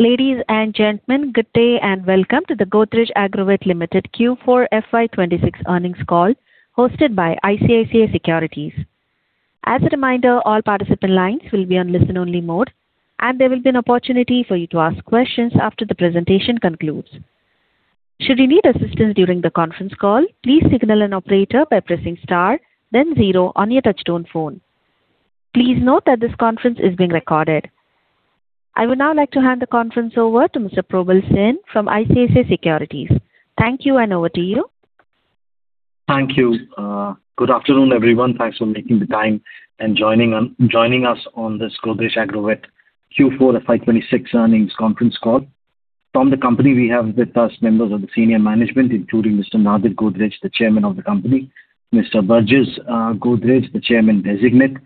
Ladies and gentlemen, good day, and welcome to the Godrej Agrovet Limited Q4 FY 2026 earnings call hosted by ICICI Securities. As a reminder, all participant lines will be on listen-only mode, and there will be an opportunity for you to ask questions after the presentation concludes. Should you need assistance during the conference call, please signal an operator by pressing star then zero on your touchtone phone. Please note that this conference is being recorded. I would now like to hand the conference over to Mr. Probal Sen from ICICI Securities. Thank you, and over to you. Thank you. Good afternoon, everyone. Thanks for making the time and joining us on this Godrej Agrovet Q4 FY 2026 earnings conference call. From the company, we have with us members of the senior management, including Mr. Nadir Godrej, the Chairman of the company, Mr. Burjis Godrej, the Chairman Designate,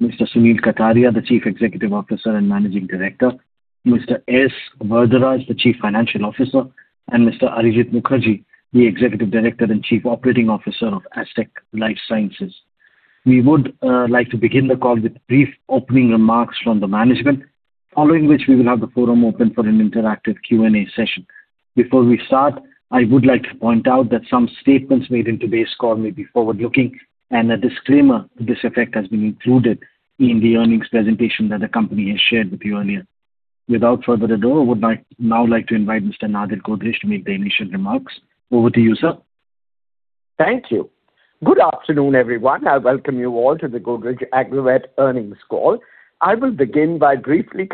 Mr. Sunil Kataria, the Chief Executive Officer and Managing Director, Mr. S. Varadaraj, the Chief Financial Officer, and Mr. Arijit Mukherjee, the Executive Director and Chief Operating Officer of Astec LifeSciences. We would like to begin the call with brief opening remarks from the management, following which we will have the forum open for an interactive Q&A session. Before we start, I would like to point out that some statements made in today's call may be forward-looking and a disclaimer to this effect has been included in the earnings presentation that the company has shared with you earlier. Without further ado, I would now like to invite Mr. Nadir Godrej to make the initial remarks. Over to you, sir. Thank you. Good afternoon, everyone. I welcome you all to the Godrej Agrovet earnings call. I will begin by briefly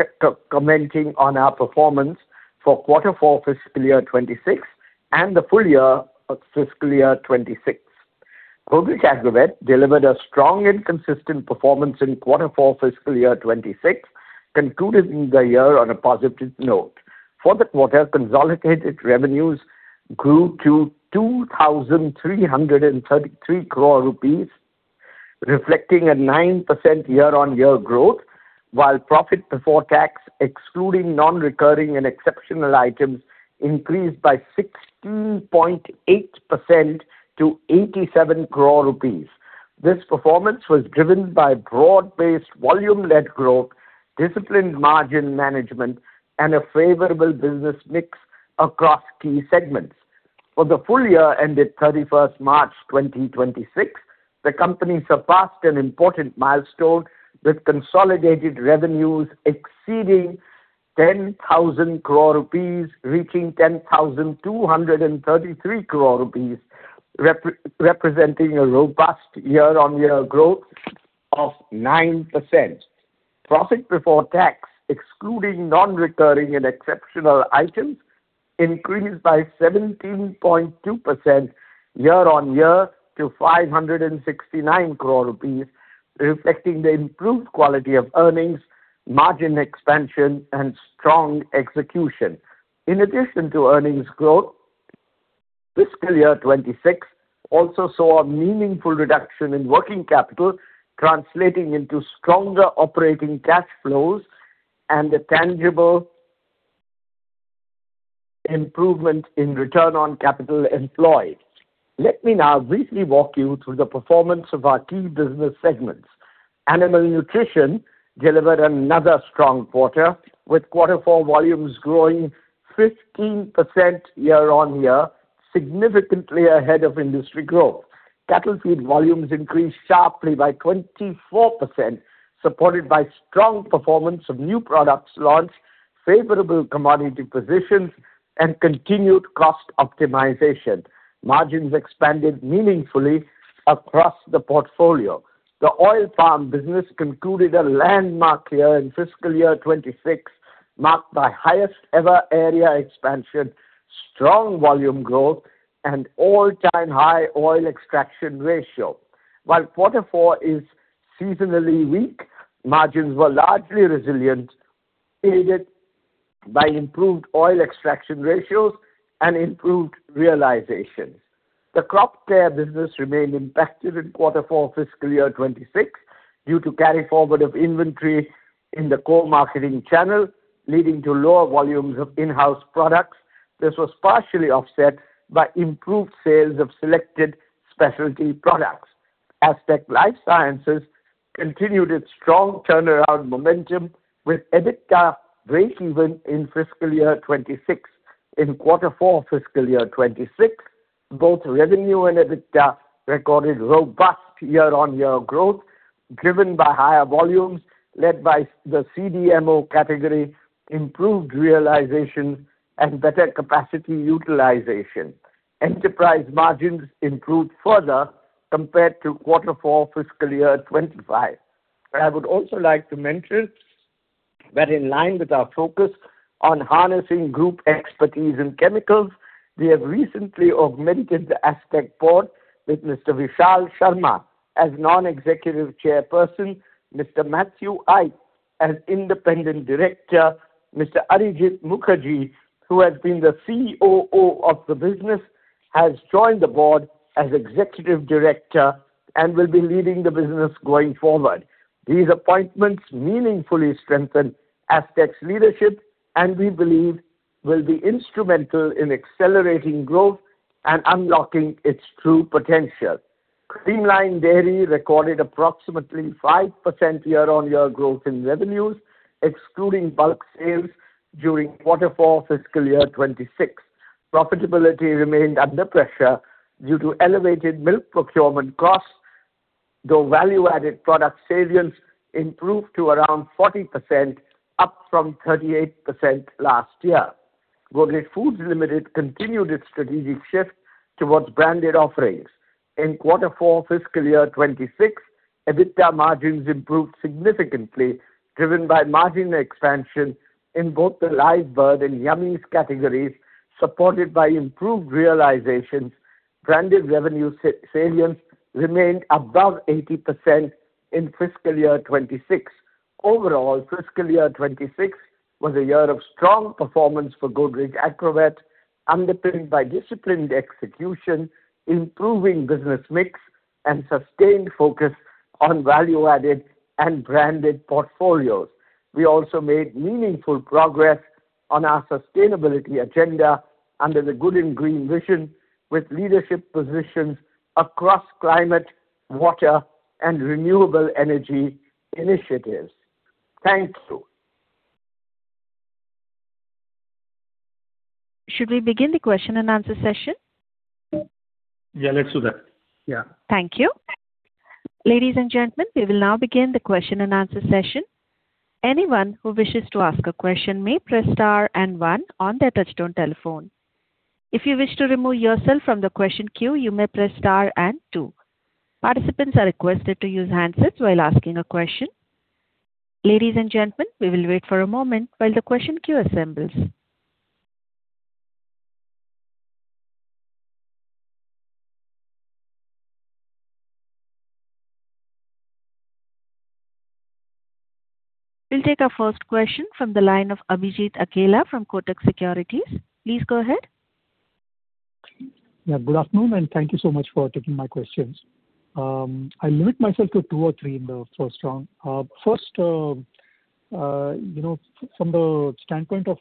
commenting on our performance for quarter four fiscal year 2026 and the full year of fiscal year 2026. Godrej Agrovet delivered a strong and consistent performance in quarter four fiscal year 2026, concluding the year on a positive note. For the quarter, consolidated revenues grew to 2,333 crore rupees, reflecting a 9% year-on-year growth, while profit before tax, excluding non-recurring and exceptional items, increased by 16.8% to 87 crore rupees. This performance was driven by broad-based volume-led growth, disciplined margin management, and a favorable business mix across key segments. For the full year ended 31st March 2026, the company surpassed an important milestone, with consolidated revenues exceeding 10,000 crore rupees, reaching 10,233 crore rupees, representing a robust year-on-year growth of 9%. Profit before tax, excluding non-recurring and exceptional items, increased by 17.2% year-on-year to 569 crore rupees, reflecting the improved quality of earnings, margin expansion, and strong execution. In addition to earnings growth, FY 2026 also saw a meaningful reduction in working capital, translating into stronger operating cash flows and a tangible improvement in return on capital employed. Let me now briefly walk you through the performance of our key business segments. Animal nutrition delivered another strong quarter, with quarter four volumes growing 15% year-on-year, significantly ahead of industry growth. Cattle feed volumes increased sharply by 24%, supported by strong performance of new products launched, favorable commodity positions, and continued cost optimization. Margins expanded meaningfully across the portfolio. The oil palm business concluded a landmark year in fiscal year 2026, marked by highest ever area expansion, strong volume growth, and all-time high oil extraction ratio. While quarter four is seasonally weak, margins were largely resilient, aided by improved oil extraction ratios and improved realization. The crop care business remained impacted in quarter four fiscal year 2026 due to carry-forward of inventory in the co-marketing channel, leading to lower volumes of in-house products. This was partially offset by improved sales of selected specialty products. Astec LifeSciences continued its strong turnaround momentum with EBITDA breakeven in fiscal year 2026. In quarter four fiscal year 2026, both revenue and EBITDA recorded robust year-on-year growth, driven by higher volumes led by the CDMO category, improved realization, and better capacity utilization. Enterprise margins improved further compared to quarter four fiscal year 2025. I would also like to mention that in line with our focus on harnessing group expertise in chemicals, we have recently augmented the Astec board with Mr. Vishal Sharma as Non-Executive Chairperson, Mr. Mathew Eipe as Independent Director. Mr. Arijit Mukherjee, who has been the COO of the business, has joined the board as Executive Director and will be leading the business going forward. These appointments meaningfully strengthen Astec's leadership, and we believe will be instrumental in accelerating growth and unlocking its true potential. Creamline Dairy recorded approximately 5% year-on-year growth in revenues, excluding bulk sales during quarter four fiscal year 2026. Profitability remained under pressure due to elevated milk procurement costs, though value-added product salience improved to around 40%, up from 38% last year. Godrej Foods Limited continued its strategic shift towards branded offerings. In quarter four FY 2026, EBITDA margins improved significantly, driven by margin expansion in both the Live Bird and Yummiez categories, supported by improved realizations. Branded revenue salience remained above 80% in FY 2026. Overall, FY 2026 was a year of strong performance for Godrej Agrovet, underpinned by disciplined execution, improving business mix, and sustained focus on value-added and branded portfolios. We also made meaningful progress on our sustainability agenda under the Good and Green vision, with leadership positions across climate, water, and renewable energy initiatives. Thank you. Should we begin the question and answer session? Yeah, let's do that. Yeah. Thank you. Ladies and gentlemen, we will now begin the question and answer session. Anyone who wishes to ask a question may press star and one on their touchtone telephone. If you wish to remove yourself from the question queue, you may press star and two. Participants are requested to use handsets while asking a question. Ladies and gentlemen, we will wait for a moment while the question queue assembles. We will take our first question from the line of Abhijit Akella from Kotak Securities. Please go ahead. Good afternoon, and thank you so much for taking my questions. I limit myself to two or three in the first round. First, you know, from the standpoint of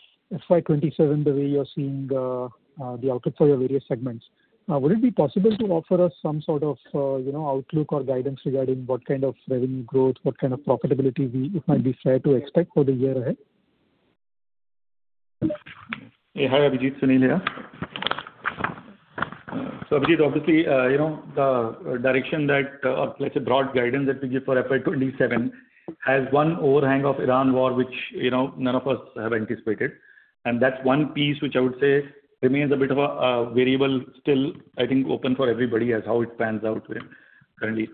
FY 2027, the way you're seeing the output for your various segments, would it be possible to offer us some sort of, you know, outlook or guidance regarding what kind of revenue growth, what kind of profitability it might be fair to expect for the year ahead? Hi, Abhijit. Sunil here. Abhijit, obviously, you know, the direction that, let's say broad guidance that we give for FY 2027 has one overhang of Iran war, which, you know, none of us have anticipated. That's one piece which I would say remains a bit of a variable still, I think, open for everybody as how it pans out currently.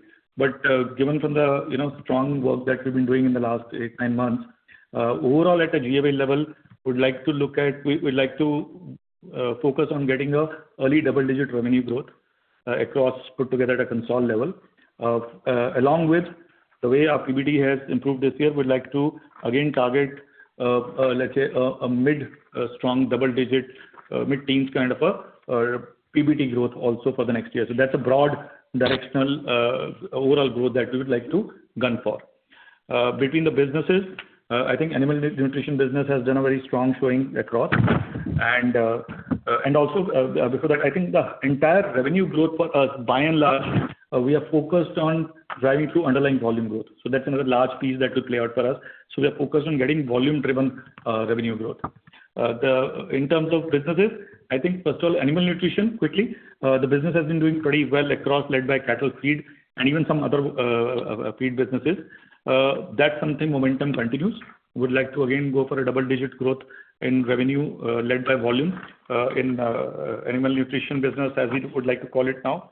Given from the, you know, strong work that we've been doing in the last eight, nine months, overall at a GAVL level, we'd like to focus on getting an early double-digit revenue growth across put together at a consolidated level. Along with the way our PBT has improved this year, we'd like to again target, let's say a mid, strong double digit, mid-teens kind of a PBT growth also for the next year. That's a broad directional, overall growth that we would like to gun for. Between the businesses, I think animal nutrition business has done a very strong showing across. Also, before that, I think the entire revenue growth for us, by and large, we are focused on driving through underlying volume growth. That's another large piece that will play out for us. We are focused on getting volume-driven, revenue growth. In terms of businesses, I think first of all, Animal Nutrition quickly, the business has been doing pretty well across led by cattle feed and even some other feed businesses. That's something momentum continues. We would like to again go for a double-digit growth in revenue, led by volume, in Animal Nutrition business as we would like to call it now.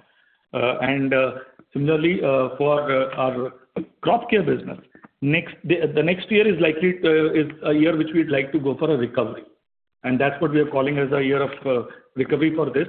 Similarly, for our Crop Care business, the next year is likely a year which we'd like to go for a recovery, and that's what we are calling as a year of recovery for this.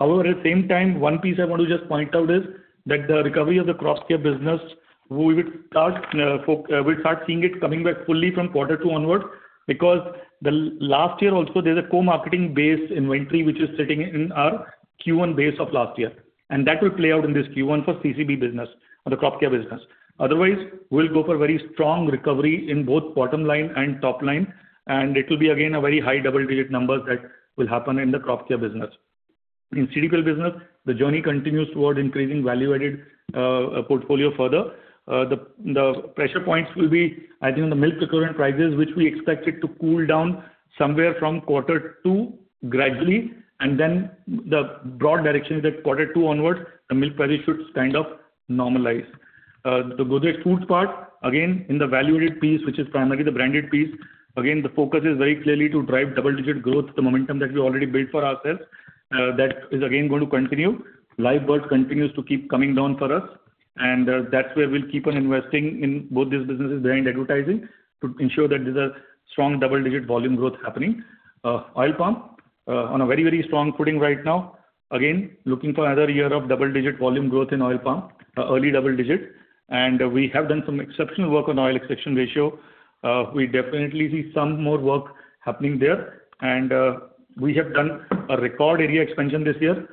At the same time, one piece I want to just point out is that the recovery of the Crop Care business, we would start, we'll start seeing it coming back fully from quarter two onward because the last year also there's a co-marketing base inventory which is sitting in our Q1 base of last year. That will play out in this Q1 for CCB business or the Crop Care business. Otherwise, we'll go for very strong recovery in both bottom line and top line, and it will be again a very high double-digit numbers that will happen in the Crop Care business. In Chemical business, the journey continues toward increasing value-added portfolio further. The, the pressure points will be, I think, on the milk procurement prices, which we expect it to cool down somewhere from quarter two gradually, and then the broad direction is that quarter two onwards, the milk prices should kind of normalize. The Godrej Foods part, again, in the value-added piece, which is primarily the branded piece, again, the focus is very clearly to drive double-digit growth, the momentum that we already built for ourselves, that is again going to continue. Live Bird continues to keep coming down for us, and, that's where we'll keep on investing in both these businesses behind advertising to ensure that there's a strong double-digit volume growth happening. Oil Palm, on a very, very strong footing right now. Again, looking for another year of double-digit volume growth in Oil Palm, early double digit. We have done some exceptional work on oil extraction ratio. We definitely see some more work happening there. We have done a record area expansion this year.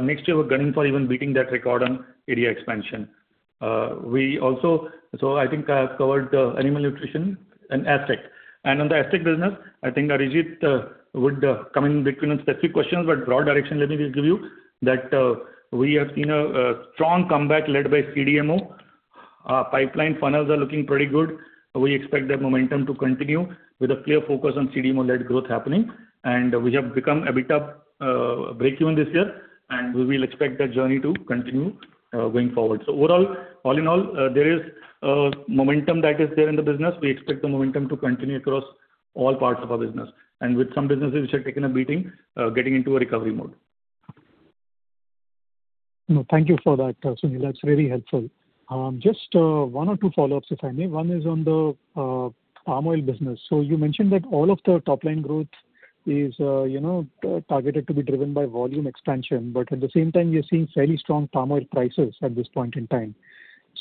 Next year, we're gunning for even beating that record on area expansion. I think I have covered animal nutrition and Astec. On the Astec business, I think Arijit would come in between on specific questions, but broad direction, let me just give you that, we have seen a strong comeback led by CDMO. Pipeline funnels are looking pretty good. We expect that momentum to continue with a clear focus on CDMO-led growth happening. We have become a bit breakeven this year, and we will expect that journey to continue going forward. Overall, all in all, there is momentum that is there in the business. We expect the momentum to continue across all parts of our business. With some businesses which have taken a beating, getting into a recovery mode. No, thank you for that, Sunil. That's really helpful. Just one or two follow-ups, if I may. One is on the palm oil business. You mentioned that all of the top-line growth is, you know, targeted to be driven by volume expansion, but at the same time, you're seeing fairly strong palm oil prices at this point in time.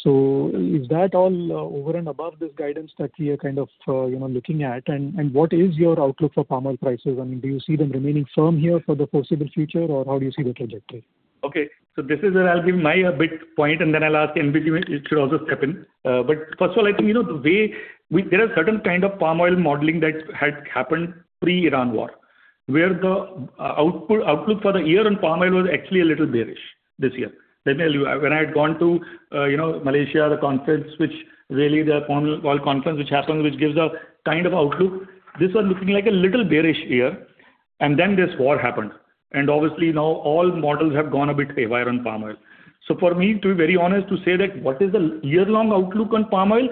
Is that all over and above this guidance that we are kind of, you know, looking at? What is your outlook for palm oil prices? I mean, do you see them remaining firm here for the foreseeable future, or how do you see the trajectory? Okay. This is where I'll give my a bit point, and then I'll ask NBG to also step in. First of all, I think, you know, the way there are certain kind of palm oil modeling that had happened pre-Iran war. Where the output for the year on palm oil was actually a little bearish this year. Let me tell you, when I had gone to, you know, Malaysia, the conference which really the palm oil conference which happens, which gives a kind of outlook. This one looking like a little bearish year. Then this war happened. Obviously now all models have gone a bit haywire on palm oil. For me, to be very honest, to say that what is the year-long outlook on palm oil,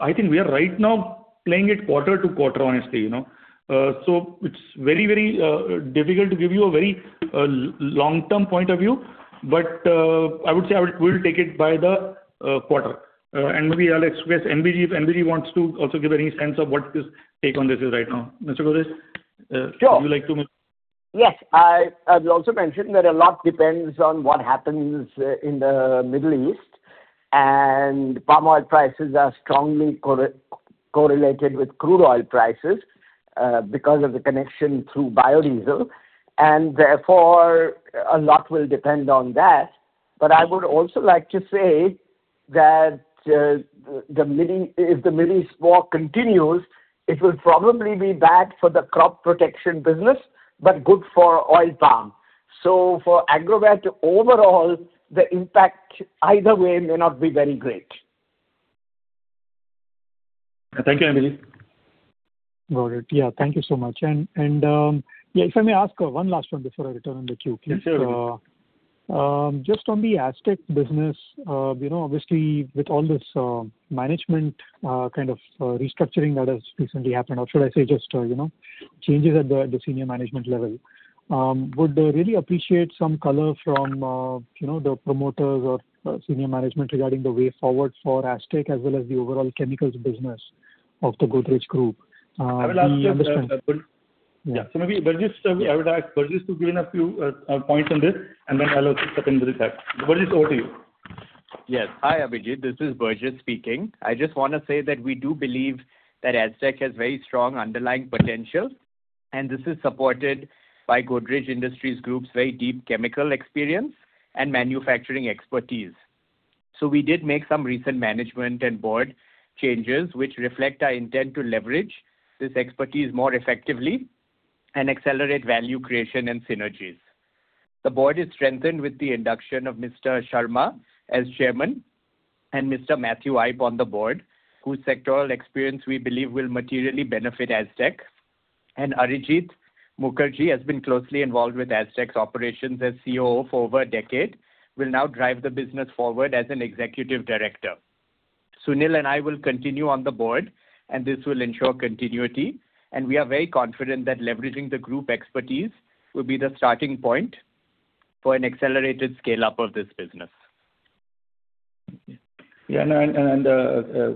I think we are right now playing it quarter to quarter, honestly, you know. It's very, very difficult to give you a very long-term point of view. I would say we'll take it by the quarter. Maybe I'll express NBG. If NBG wants to also give any sense of what his take on this is right now. Mr. Godrej. Sure. Would you like to- Yes. I will also mention that a lot depends on what happens in the Middle East. Palm oil prices are strongly correlated with crude oil prices because of the connection through biodiesel. Therefore, a lot will depend on that. I would also like to say that if the Middle East war continues, it will probably be bad for the crop protection business, but good for oil palm. For Agrovet overall, the impact either way may not be very great. Thank you, Abhijit. Got it. Yeah. Thank you so much. If I may ask one last one before I return the queue, please. Sure. Just on the Astec business, you know, obviously with all this management kind of restructuring that has recently happened, or should I say just, you know, changes at the senior management level, would really appreciate some color from, you know, the promoters or senior management regarding the way forward for Astec as well as the overall chemicals business of the Godrej Group. I will ask this, yeah. Maybe Burjis, I would ask Burjis to give a few points on this, and then I will also step in with that. Burjis, over to you. Yes. Hi, Abhijit. This is Burjis speaking. I just wanna say that we do believe that Astec has very strong underlying potential, and this is supported by Godrej Industries Group's very deep chemical experience and manufacturing expertise. We did make some recent management and board changes, which reflect our intent to leverage this expertise more effectively and accelerate value creation and synergies. The board is strengthened with the induction of Mr. Sharma as chairman and Mr. Mathew Eipe on the board, whose sectoral experience we believe will materially benefit Astec. Arijit Mukherjee has been closely involved with Astec's operations as COO for over a decade, will now drive the business forward as an executive director. Sunil and I will continue on the board, and this will ensure continuity, and we are very confident that leveraging the group expertise will be the starting point for an accelerated scale-up of this business. Yeah. And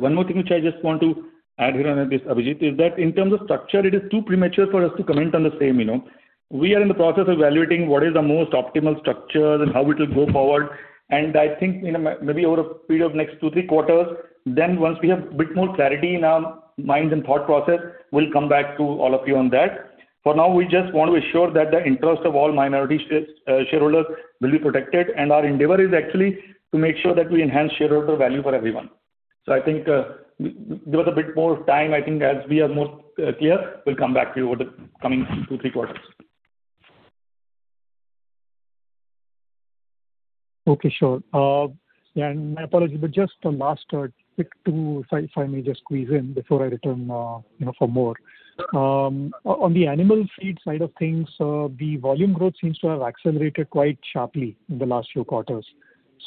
one more thing which I just want to add here on this, Abhijit, is that in terms of structure, it is too premature for us to comment on the same, you know. We are in the process of evaluating what is the most optimal structure and how it will go forward. I think maybe over a period of next two, three quarters, once we have a bit more clarity in our minds and thought process, we'll come back to all of you on that. For now, we just want to ensure that the interest of all minority shareholders will be protected, and our endeavor is actually to make sure that we enhance shareholder value for everyone. I think give us a bit more time. I think as we are more clear, we'll come back to you over the coming two, three quarters. Okay, sure. My apologies, but just a last two, if I, if I may just squeeze in before I return, you know, for more. On the animal feed side of things, the volume growth seems to have accelerated quite sharply in the last few quarters.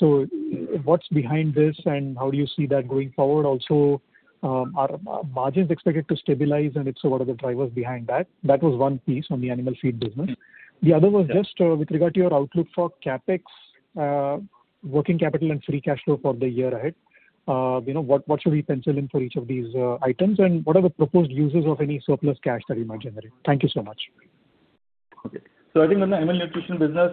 What's behind this and how do you see that going forward also, are margins expected to stabilize, and if so, what are the drivers behind that? That was one piece on the animal feed business. The other was just with regard to your outlook for CapEx, working capital and free cash flow for the year ahead. You know, what should we pencil in for each of these items, and what are the proposed uses of any surplus cash that you might generate? Thank you so much. Okay. I think on the animal nutrition business,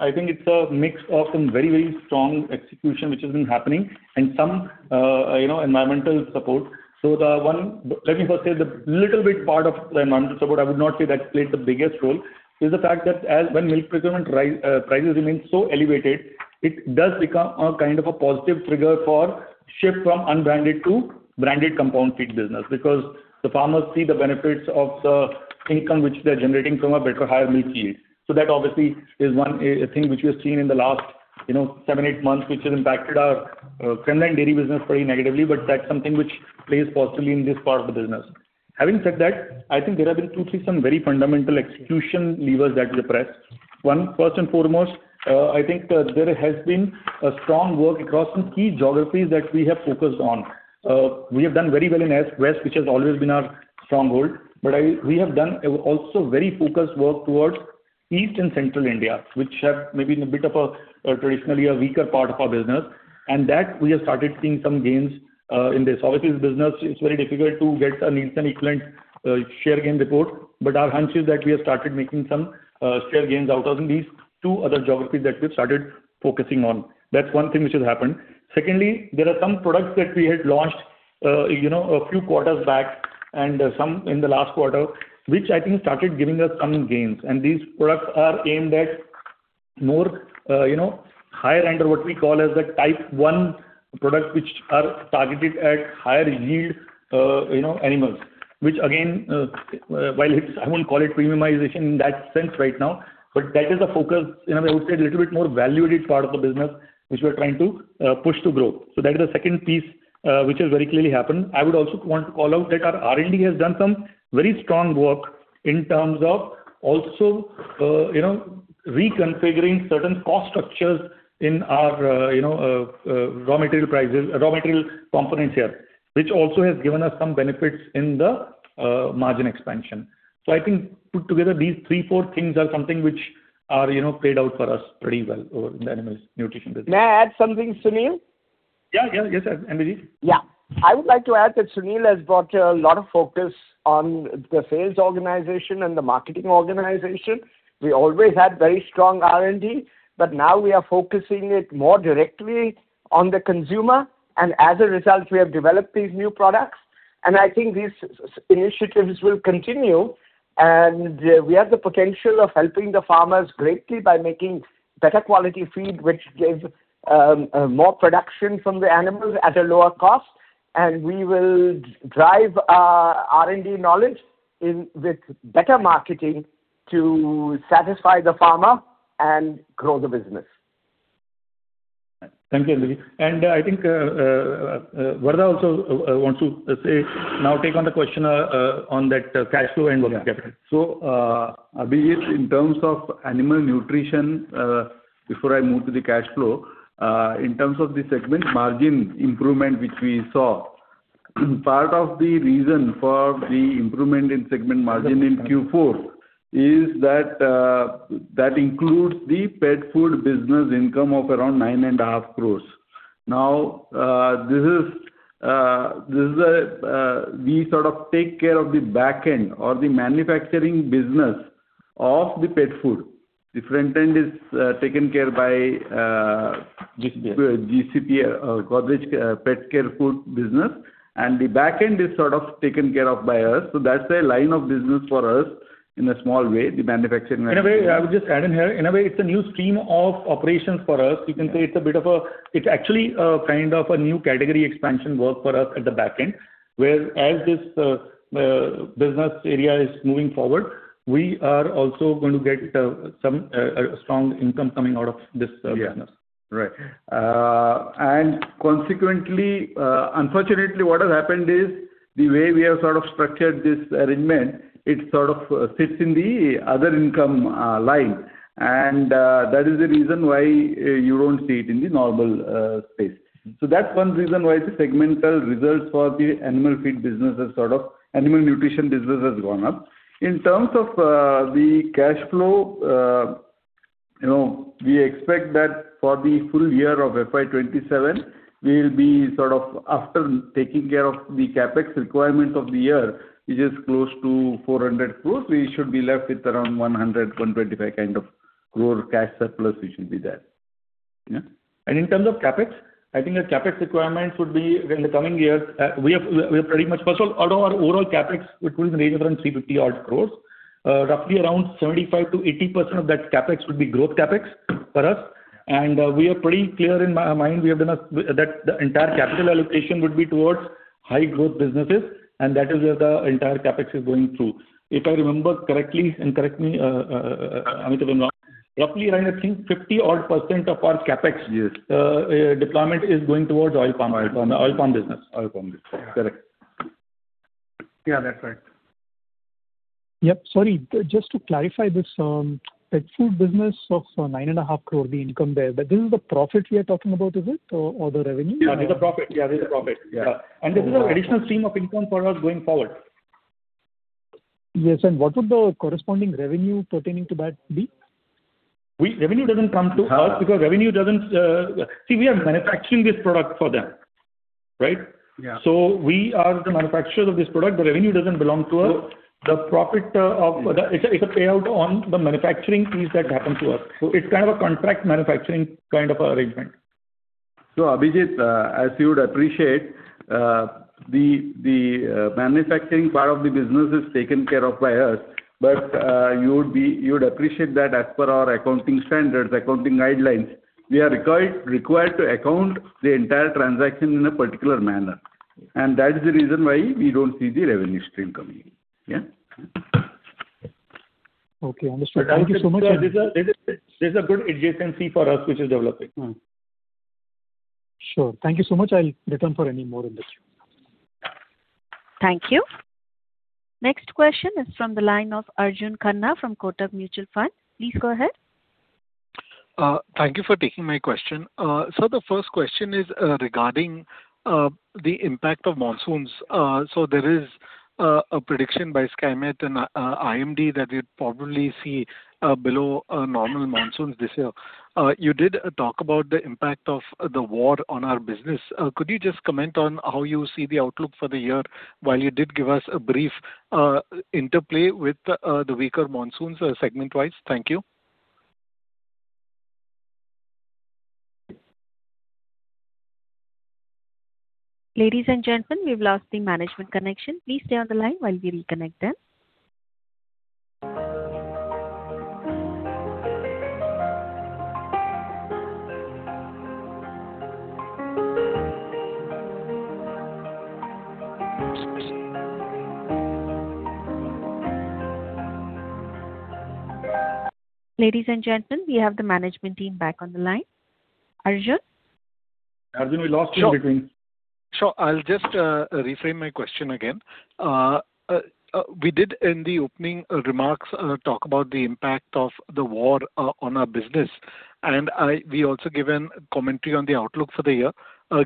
I think it's a mix of some very, very strong execution which has been happening and some environmental support. Let me first say the little bit part of the environmental support, I would not say that played the biggest role, is the fact that when milk procurement prices remain so elevated, it does become a kind of a positive trigger for shift from unbranded to branded compound feed business, because the farmers see the benefits of the income which they're generating from a better higher milk yield. That obviously is one thing which we've seen in the last seven, eight months, which has impacted our Creamline Dairy business very negatively, but that's something which plays positively in this part of the business. Having said that, I think there have been two, three some very fundamental execution levers that we have pressed. One, first and foremost, I think, there has been a strong work across some key geographies that we have focused on. We have done very well in S-west, which has always been our stronghold, but we have done a also very focused work towards East and Central India, which have maybe been a bit of a, traditionally, a weaker part of our business. That we have started seeing some gains in this. Obviously, this business, it's very difficult to get an instant equivalent, share gain report, but our hunch is that we have started making some share gains out of these two other geographies that we've started focusing on. That's one thing which has happened. Secondly, there are some products that we had launched, you know, a few quarters back and some in the last quarter, which I think started giving us some gains. These products are aimed at more, you know, higher end or what we call as the type one products, which are targeted at higher yield, you know, animals. Again, while I won't call it premiumization in that sense right now, but that is a focus, you know, I would say a little bit more value-added part of the business which we're trying to push to grow. That is the second piece which has very clearly happened. I would also want to call out that our R&D has done some very strong work in terms of also, you know, reconfiguring certain cost structures in our, you know, raw material prices, raw material component here, which also has given us some benefits in the margin expansion. So I think put together these three, four things are something which are, you know, played out for us pretty well over in the animals nutrition business. May I add something, Sunil? Yeah, yeah. Yes, NBG. Yeah. I would like to add that Sunil has brought a lot of focus on the sales organization and the marketing organization. We always had very strong R&D, but now we are focusing it more directly on the consumer. As a result, we have developed these new products. I think these initiatives will continue. We have the potential of helping the farmers greatly by making better quality feed, which gives more production from the animals at a lower cost. We will drive our R&D knowledge with better marketing to satisfy the farmer and grow the business. Thank you, NBG. I think Varadaraj also wants to take on the question on that cash flow and working capital. Yeah. Abhijit, in terms of animal nutrition, before I move to the cash flow, in terms of the segment margin improvement which we saw, part of the reason for the improvement in segment margin in Q4 is that includes the pet food business income of around 9.5 crores. Now, this is, this is a, we sort of take care of the back end or the manufacturing business of the pet food. The front end is, taken care by. GCPL. GCPL, Godrej Pet Care Food business. The back end is sort of taken care of by us. That's a line of business for us in a small way, the manufacturing. In a way, I would just add in here. In a way, it's a new stream of operations for us. You can say it's actually a kind of a new category expansion work for us at the back end. Whereas this business area is moving forward, we are also going to get some a strong income coming out of this business. Yeah. Right. Consequently, unfortunately, what has happened is the way we have sort of structured this arrangement, it sort of sits in the other income line. That is the reason why you don't see it in the normal space. That's one reason why the segmental results for the animal nutrition business has gone up. In terms of the cash flow, you know, we expect that for the full year of FY 2027, we'll be sort of after taking care of the CapEx requirement of the year, which is close to 400 crores, we should be left with around 100 core-INR 125 crore cash surplus, which should be there. Yeah. In terms of CapEx, I think the CapEx requirements would be in the coming years. First of all, out of our overall CapEx, which was in the range of around 350 odd crores, roughly around 75%-80% of that CapEx would be growth CapEx for us. We are pretty clear in my mind that the entire capital allocation would be towards high growth businesses, and that is where the entire CapEx is going through. If I remember correctly, correct me, Amit, if I'm wrong, roughly around I think 50% odd of our CapEx. Yes. Deployment is going towards oil palm. Oil palm. Oil palm business. Oil palm business. Correct. Yeah, that's right. Yep. Sorry, just to clarify this, pet food business of, 9.5 crore, the income there. This is the profit we are talking about, is it? Or the revenue? Yeah, this is the profit. Yeah, this is the profit. Yeah. This is an additional stream of income for us going forward. Yes. What would the corresponding revenue pertaining to that be? Revenue doesn't come to us because revenue doesn't, See, we are manufacturing this product for them, right? Yeah. We are the manufacturers of this product, the revenue doesn't belong to us. The profit, it's a payout on the manufacturing fees that happen to us. It's kind of a contract manufacturing kind of arrangement. Abhijit, as you would appreciate. The manufacturing part of the business is taken care of by us. You would appreciate that as per our accounting standards, accounting guidelines, we are required to account the entire transaction in a particular manner. That is the reason why we don't see the revenue stream coming in. Yeah. Okay. Understood. Thank you so much. Actually this is a good adjacency for us which is developing. Mm-hmm. Sure. Thank you so much. I'll return for any more in the queue. Thank you. Next question is from the line of Arjun Khanna from Kotak Mutual Fund. Please go ahead. Thank you for taking my question. The first question is regarding the impact of monsoons. There is a prediction by Skymet and IMD that we'd probably see below normal monsoons this year. You did talk about the impact of the war on our business. Could you just comment on how you see the outlook for the year, while you did give us a brief interplay with the weaker monsoons segment-wise? Thank you. Ladies and gentlemen, we've lost the management connection. Please stay on the line while we reconnect them. Ladies and gentlemen, we have the management team back on the line. Arjun. Arjun, we lost you in between. Sure. Sure. I'll just reframe my question again. We did in the opening remarks talk about the impact of the war on our business, and we also given commentary on the outlook for the year.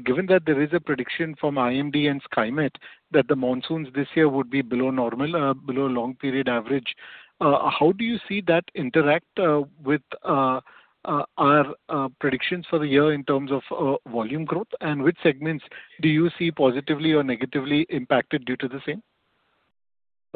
Given that there is a prediction from IMD and Skymet that the monsoons this year would be below normal, below long period average, how do you see that interact with our predictions for the year in terms of volume growth? Which segments do you see positively or negatively impacted due to the same?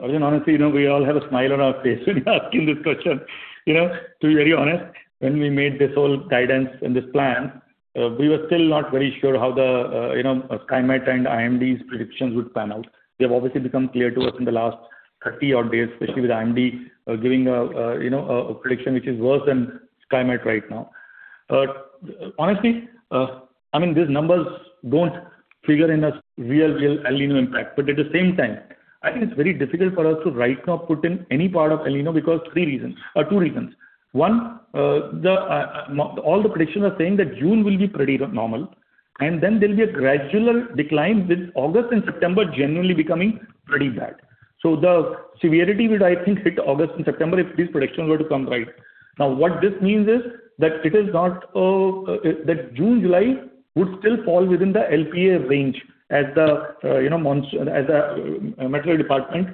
Arjun, honestly, you know, we all have a smile on our face when you're asking this question. You know, to be very honest, when we made this whole guidance and this plan, we were still not very sure how the, you know, Skymet and IMD's predictions would pan out. They have obviously become clear to us in the last 30 odd days, especially with IMD giving a, you know, a prediction which is worse than Skymet right now. Honestly, I mean, these numbers don't trigger in a real El Niño impact. At the same time, I think it's very difficult for us to right now put in any part of El Niño because two reasons. One, all the predictions are saying that June will be pretty normal, and then there'll be a gradual decline with August and September generally becoming pretty bad. The severity will, I think, hit August and September if these predictions were to come right. What this means is that it is not that June, July would still fall within the LPA range as the, you know, meteorology department,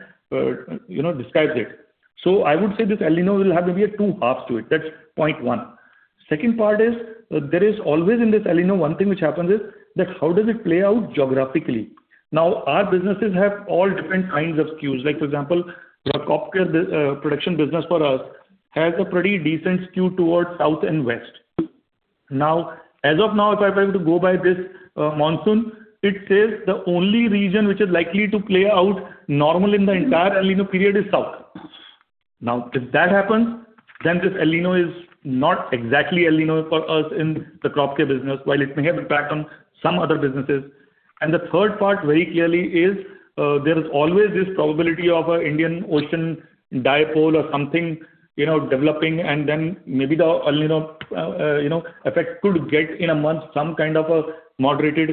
you know, describes it. I would say this El Niño will have maybe a two halves to it. That's point one. Second part is, there is always in this El Niño one thing which happens is that how does it play out geographically? Our businesses have all different kinds of SKUs. Like for example, the crop care production business for us has a pretty decent SKU towards south and west. Now, as of now, if I were to go by this monsoon, it says the only region which is likely to play out normal in the entire El Niño period is south. Now, if that happens, then this El Niño is not exactly El Niño for us in the crop care business, while it may have impact on some other businesses. The third part very clearly is, there is always this probability of a Indian Ocean Dipole or something, you know, developing and then maybe the El Niño, you know, effect could get in a month some kind of a moderated.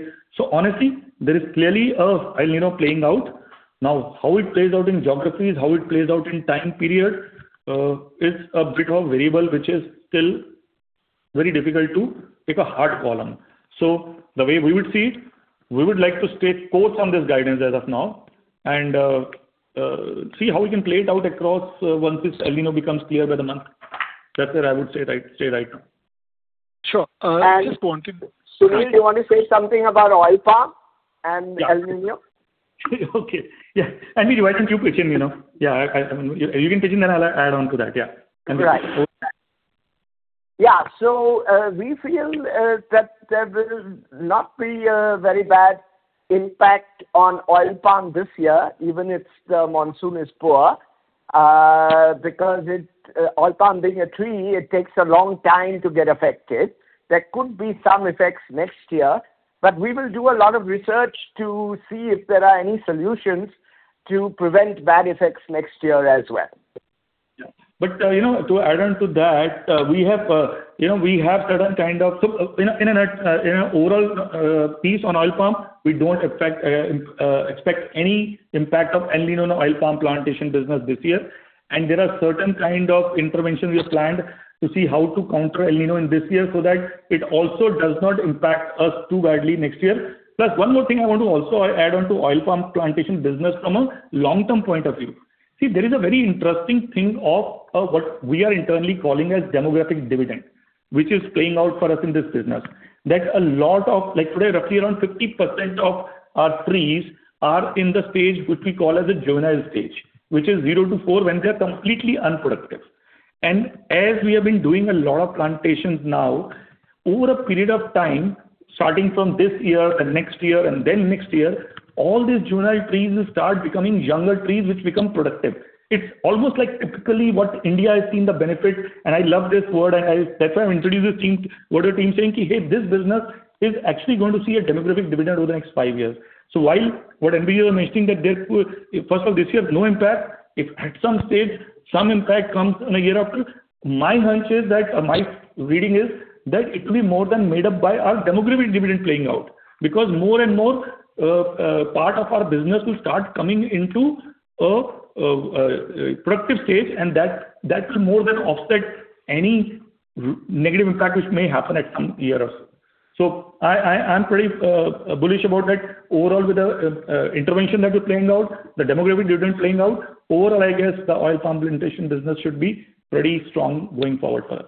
Honestly, there is clearly a El Niño playing out. Now, how it plays out in geographies, how it plays out in time period, is a bit of variable which is still very difficult to pick a hard call on. The way we would see it, we would like to stay course on this guidance as of now and, see how we can play it out across, once this El Niño becomes clear by the month. That's where I would say right now. Sure. Sunil, do you wanna say something about oil palm and El Niño? Okay. Yeah. NBG, why don't you pitch in, you know? Yeah. You can pitch in, then I'll add on to that. Yeah. Right. And the- Yeah. We feel that there will not be a very bad impact on oil palm this year, even if the monsoon is poor, because it, oil palm being a tree, it takes a long time to get affected. There could be some effects next year, but we will do a lot of research to see if there are any solutions to prevent bad effects next year as well. You know, to add on to that, we have, you know, we have certain kind of, in an overall piece on oil palm, we don't expect any impact of El Niño on oil palm plantation business this year. There are certain kind of intervention we have planned to see how to counter El Niño in this year so that it also does not impact us too badly next year. One more thing I want to also add on to oil palm plantation business from a long-term point of view. There is a very interesting thing of, what we are internally calling as demographic dividend, which is playing out for us in this business. That a lot of, like today roughly around 50% of our trees are in the stage which we call as a juvenile stage, which is zero to four, when they're completely unproductive. As we have been doing a lot of plantations now, over a period of time, starting from this year and next year and then next year, all these juvenile trees start becoming younger trees which become productive. It's almost like typically what India has seen the benefit, and I love this word and I That's why I introduced this team, what our team is saying, "Hey, this business is actually going to see a demographic dividend over the next five years." While what NBG was mentioning that there could first of all, this year has no impact. If at some stage some impact comes in a year or two, my hunch is that or my reading is that it will be more than made up by our demographic dividend playing out. More and more, part of our business will start coming into a productive stage, and that will more than offset any negative impact which may happen at some year or so. I'm pretty bullish about that. Overall, with the intervention that is playing out, the demographic dividend playing out, overall, I guess the oil palm plantation business should be pretty strong going forward for us.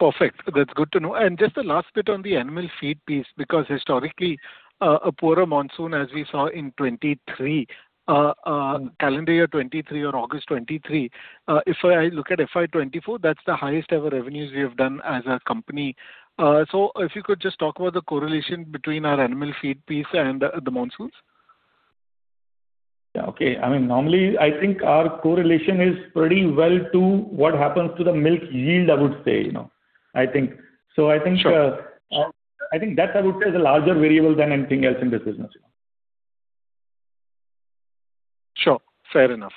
Perfect. That's good to know. Just a last bit on the animal feed piece, because historically, a poorer monsoon as we saw in 2023, calendar year 2023 or August 2023. If I look at FY 2024, that's the highest ever revenues we have done as a company. If you could just talk about the correlation between our animal feed piece and the monsoons. Yeah, okay. I mean, normally, I think our correlation is pretty well to what happens to the milk yield, I would say, you know. I think. Sure. I think that I would say is a larger variable than anything else in this business. Sure. Fair enough.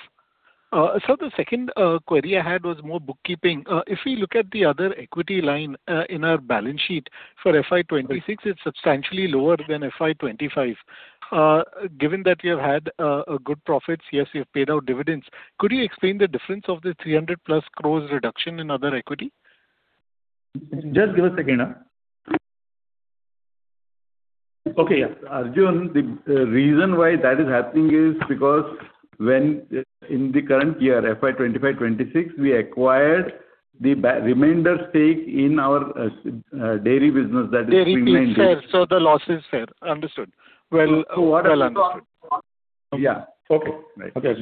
Sir, the second query I had was more bookkeeping. If we look at the other equity line, in our balance sheet for FY 2026, it's substantially lower than FY 2025. Given that you have had good profits, yes, you have paid out dividends. Could you explain the difference of the 300+ crores reduction in other equity? Just give a second. Okay. Yeah. Arjun, the reason why that is happening is because when in the current year, FY 2025-2026, we acquired the remainder stake in our dairy business. Dairy piece. Sure. The loss is fair. Understood. Well understood. Yeah. Okay. Right. Okay.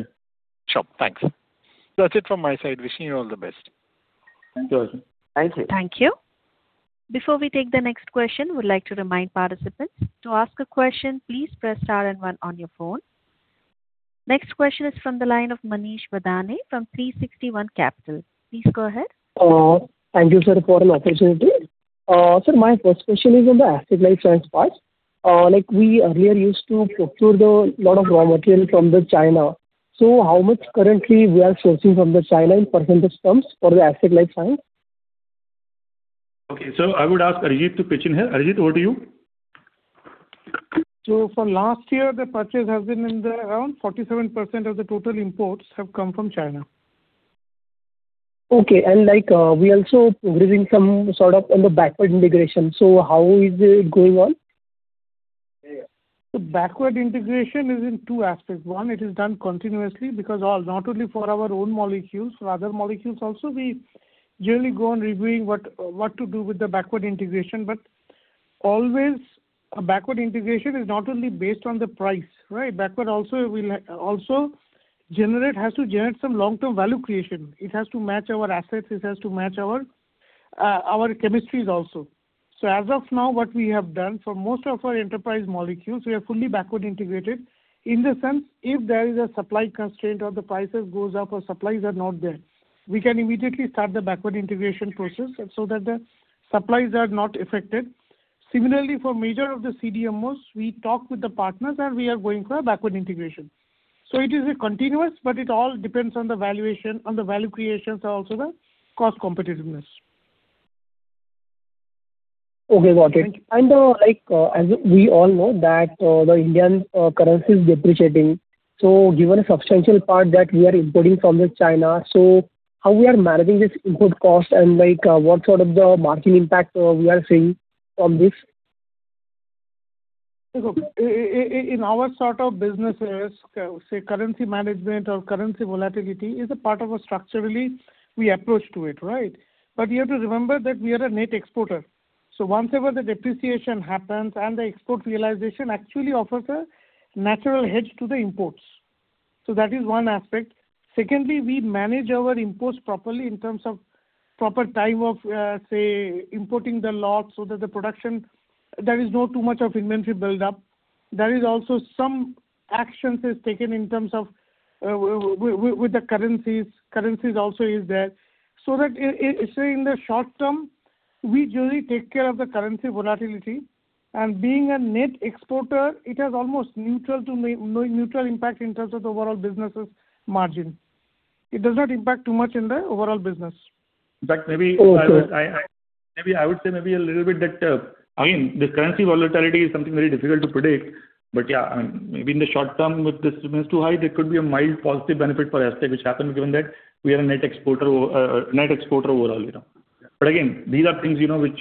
Sure. Thanks. That's it from my side. Wishing you all the best. Thank you. Thank you. Thank you. Before we take the next question, we'd like to remind participants, to ask a question, please press star and one on your phone. Next question is from the line of Maneesh Bhadane from 360 ONE Capital. Please go ahead. Thank you, sir, for an opportunity. Sir, my first question is on the Astec LifeSciences part. Like, we earlier used to procure the lot of raw material from China. How much currently we are sourcing from China in percentage terms for the Astec LifeSciences? Okay. I would ask Arijit to pitch in here. Arijit, over to you. For last year, the purchase has been in the around 47% of the total imports have come from China. Okay. Like, we also raising some sort of on the backward integration. How is it going on? Yeah. Backward integration is in two aspects. One, it is done continuously because all, not only for our own molecules, for other molecules also, we generally go on reviewing what to do with the backward integration. Always a backward integration is not only based on the price, right? Backward also has to generate some long-term value creation. It has to match our assets. It has to match our chemistries also. As of now, what we have done, for most of our enterprise molecules, we are fully backward integrated. In the sense, if there is a supply constraint or the prices goes up or supplies are not there, we can immediately start the backward integration process so that the supplies are not affected. Similarly, for major of the CDMOs, we talk with the partners, and we are going for a backward integration. It is a continuous, but it all depends on the valuation, on the value creation, so also the cost competitiveness. Okay, got it. Like, as we all know that the Indian currency is depreciating, given a substantial part that we are importing from China, how we are managing this input cost and, like, what sort of the margin impact we are seeing from this? Look, in our sort of businesses, say currency management or currency volatility is a part of a structurally we approach to it, right? You have to remember that we are a net exporter. Once ever the depreciation happens and the export realization actually offers a natural hedge to the imports. That is one aspect. Secondly, we manage our imports properly in terms of proper time of, say importing the lot so that the production, there is no too much of inventory build-up. There is also some actions is taken in terms of, with the currencies. Currencies also is there. That in the short term, we usually take care of the currency volatility. Being a net exporter, it has almost neutral to no neutral impact in terms of the overall business' margin. It does not impact too much in the overall business. That maybe- Okay. I, maybe I would say maybe a little bit that again, this currency volatility is something very difficult to predict. Yeah, I mean, maybe in the short term, if this remains too high, there could be a mild positive benefit for Astec which happen given that we are a net exporter overall, you know. Again, these are things, you know, which,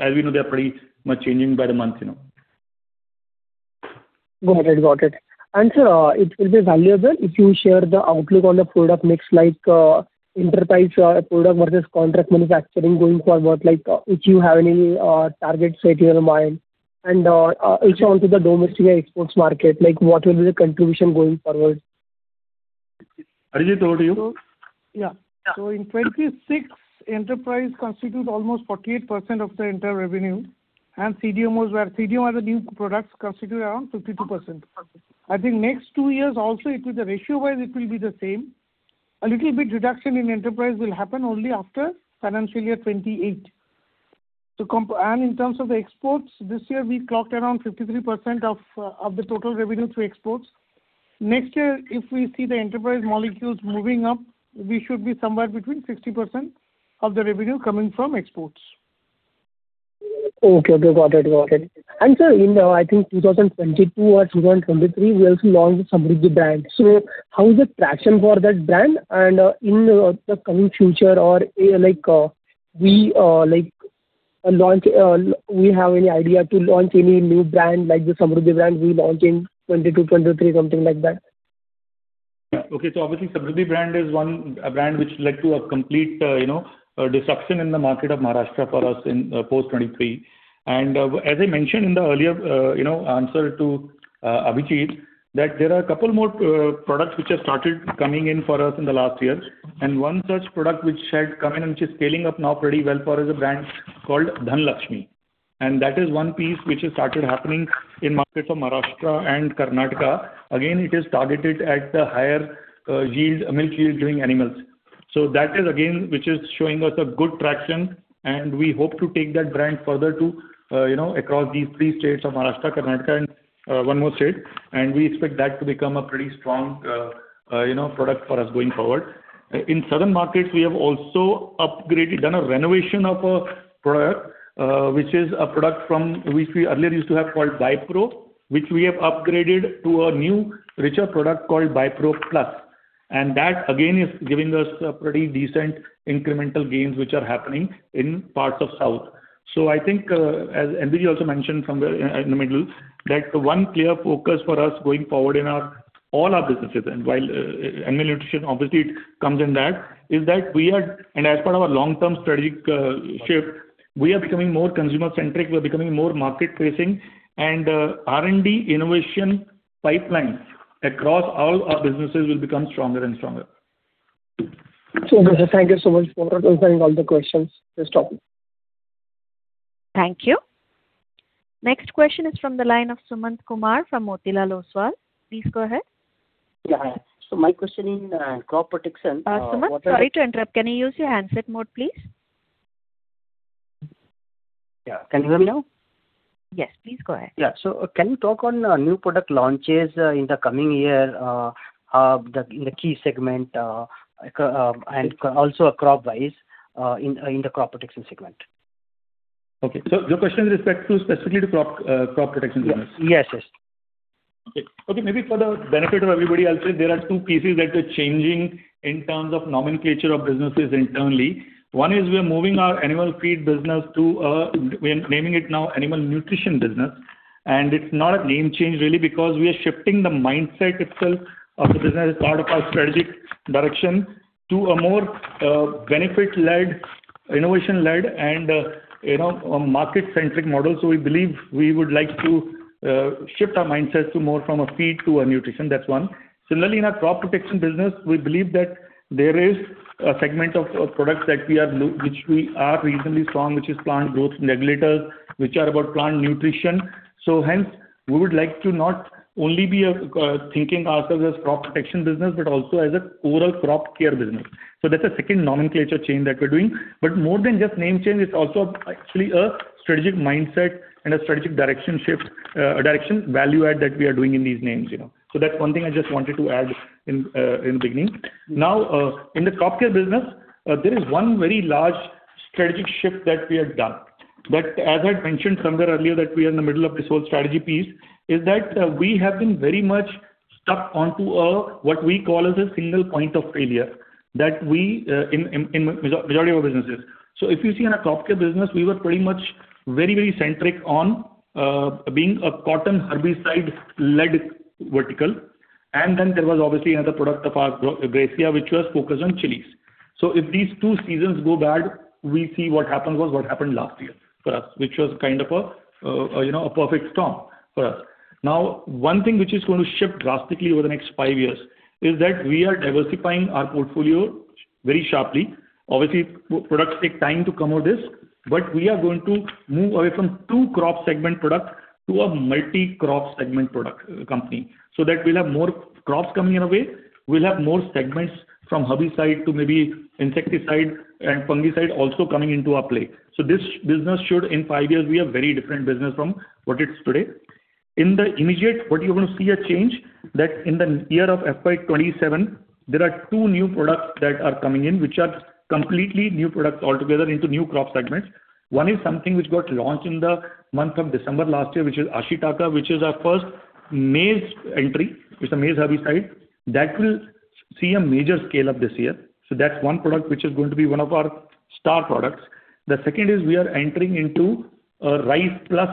as we know, they're pretty much changing by the month, you know. Got it. Got it. Sir, it will be valuable if you share the outlook on the product mix like enterprise product versus contract manufacturing going forward, like if you have any targets set in your mind and also onto the domestic exports market, like what will be the contribution going forward? Arijit, over to you. Yeah. Yeah. In 2026, enterprise constitutes almost 48% of the entire revenue, and CDMOs where CDMOs are the new products constitute around 52%. Okay. I think next two years also, it will the ratio-wise it will be the same. A little bit reduction in enterprise will happen only after financial year 2028. In terms of the exports, this year we clocked around 53% of the total revenue through exports. Next year, if we see the enterprise molecules moving up, we should be somewhere between 60% of the revenue coming from exports. Okay. Okay. Got it. Got it. Sir, in, I think 2022 or 2023, we also launched Samruddhi brand. How is the traction for that brand and in the coming future or, we have any idea to launch any new brand like the Samruddhi brand we launched in 2022, 2023, something like that? Yeah. Okay. Obviously Samruddhi brand is one brand which led to a complete, you know, disruption in the market of Maharashtra for us in post 2023. As I mentioned in the earlier, you know, answer to Abhijit, that there are a couple more products which have started coming in for us in the last years. One such product which had come in and which is scaling up now pretty well for us is a brand called Dhanlaxmi. That is one piece which has started happening in markets of Maharashtra and Karnataka. Again, it is targeted at the higher yield, milk yield giving animals. That is again, which is showing us a good traction, and we hope to take that brand further to, you know, across these three states of Maharashtra, Karnataka and one more state. We expect that to become a pretty strong, you know, product for us going forward. In southern markets, we have also upgraded, done a renovation of a product, which is a product from which we earlier used to have called Bypro, which we have upgraded to a new richer product called Bypro Plus. That again, is giving us a pretty decent incremental gains, which are happening in parts of South. I think, as NBG also mentioned somewhere in the middle, that one clear focus for us going forward in our, all our businesses and while, animal nutrition obviously it comes in that, is that as part of our long-term strategic shift, we are becoming more consumer-centric, we are becoming more market facing and, R&D innovation pipeline across all our businesses will become stronger and stronger. Thank you so much for answering all the questions. Please stop. Thank you. Next question is from the line of Sumant Kumar from Motilal Oswal. Please go ahead. Yeah, hi. My question in crop protection, Sumant, sorry to interrupt. Can you use your handset mode, please? Yeah. Can you hear me now? Yes, please go ahead. Yeah. Can you talk on new product launches in the coming year, the key segment, and also crop wise in the crop protection segment? Okay. Your question is with respect to specifically to crop protection business? Yes. Yes. Yes. Okay. Okay. Maybe for the benefit of everybody, I'll say there are two pieces that we're changing in terms of nomenclature of businesses internally. One is we are moving our animal feed business to We're naming it now animal nutrition business. It's not a name change really because we are shifting the mindset itself of the business as part of our strategic direction to a more benefit-led, innovation-led and, you know, a market-centric model. We believe we would like to shift our mindset to more from a feed to a nutrition. That's one. Similarly, in our crop protection business, we believe that there is a segment of products that we are which we are reasonably strong, which is plant growth regulators, which are about plant nutrition. Hence, we would like to not only be thinking ourselves as crop protection business, but also as a overall crop care business. That's a second nomenclature change that we're doing. More than just name change, it's also actually a strategic mindset and a strategic direction shift, direction value add that we are doing in these names, you know. That's one thing I just wanted to add in the beginning. Now, in the crop care business, there is one very large strategic shift that we have done. As I mentioned somewhere earlier that we are in the middle of this whole strategy piece, is that we have been very much stuck onto a, what we call as a single point of failure, that we in majority of our businesses. If you see in our crop care business, we were pretty much very, very centric on being a cotton herbicide-led vertical. Then there was obviously another product of ours, Gracia, which was focused on chilies. If these two seasons go bad, we see what happened was what happened last year for us, which was kind of a, you know, a perfect storm for us. One thing which is going to shift drastically over the next five years is that we are diversifying our portfolio very sharply. Obviously, products take time to come out of this, we are going to move away from two crop segment product to a multi-crop segment product company, so that we'll have more crops coming in our way. We'll have more segments from herbicide to maybe insecticide and fungicide also coming into our play. This business should in five years be a very different business from what it's today. In the immediate, what you're gonna see a change that in the year of FY 2027, there are two new products that are coming in, which are completely new products altogether into new crop segments. One is something which got launched in the month of December last year, which is Ashitaka, which is our first maize entry. It's a maize herbicide. That will see a major scale up this year. That's one product which is going to be one of our star products. The second is we are entering into a rice plus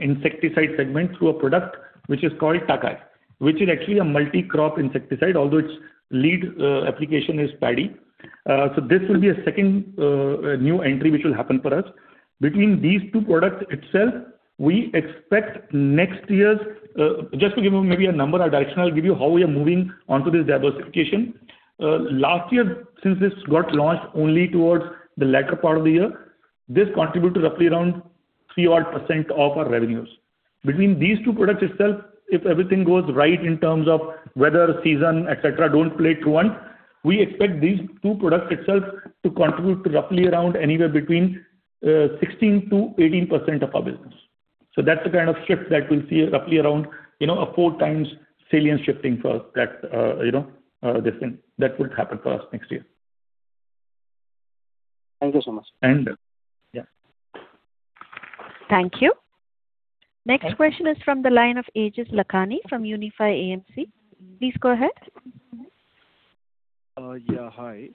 insecticide segment through a product which is called TAKAI, which is actually a multi-crop insecticide, although its lead application is paddy. This will be a second new entry which will happen for us. Between these two products itself, we expect. Just to give you maybe a number or direction, I'll give you how we are moving onto this diversification. Last year, since this got launched only towards the latter part of the year, this contributed roughly around 3% of our revenues. Between these two products itself, if everything goes right in terms of weather, season, et cetera, don't play truant, we expect these two products itself to contribute roughly around anywhere between 16%-18% of our business. That's the kind of shift that we'll see roughly around, you know, a four times salient shifting for that, you know, this thing. That would happen for us next year. Thank you so much. Yeah. Thank you. Next question is from the line of Aejas Lakhani from Unifi AMC. Please go ahead. Yeah, hi.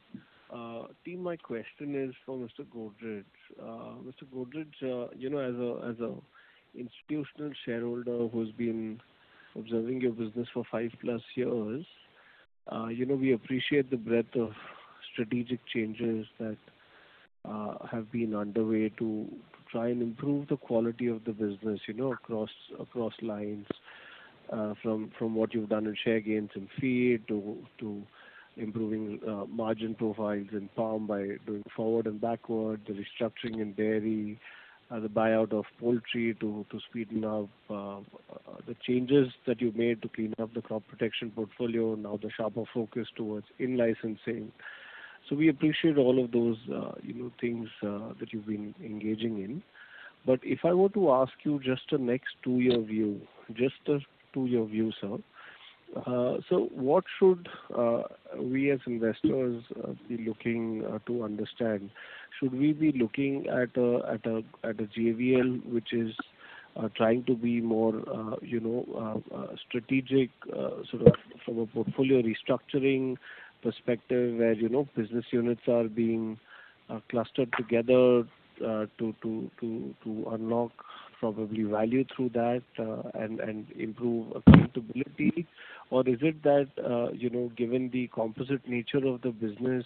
Team, my question is for Mr. Godrej. Mr. Godrej, you know, as a, as a institutional shareholder who's been observing your business for 5+ years, you know, we appreciate the breadth of strategic changes that have been underway to try and improve the quality of the business, you know, across lines, from what you've done in share gains and feed to improving margin profiles in palm by doing forward and backward, the restructuring in dairy, the buyout of poultry to speeding up the changes that you've made to clean up the crop protection portfolio. Now the sharper focus towards in-licensing. We appreciate all of those, you know, things that you've been engaging in. If I were to ask you just a next two-year view, just a two-year view, sir. What should we as investors be looking to understand? Should we be looking at a GAVL which is trying to be more, you know, strategic, sort of from a portfolio restructuring perspective where, you know, business units are being clustered together to unlock probably value through that and improve accountability? Or is it that, you know, given the composite nature of the business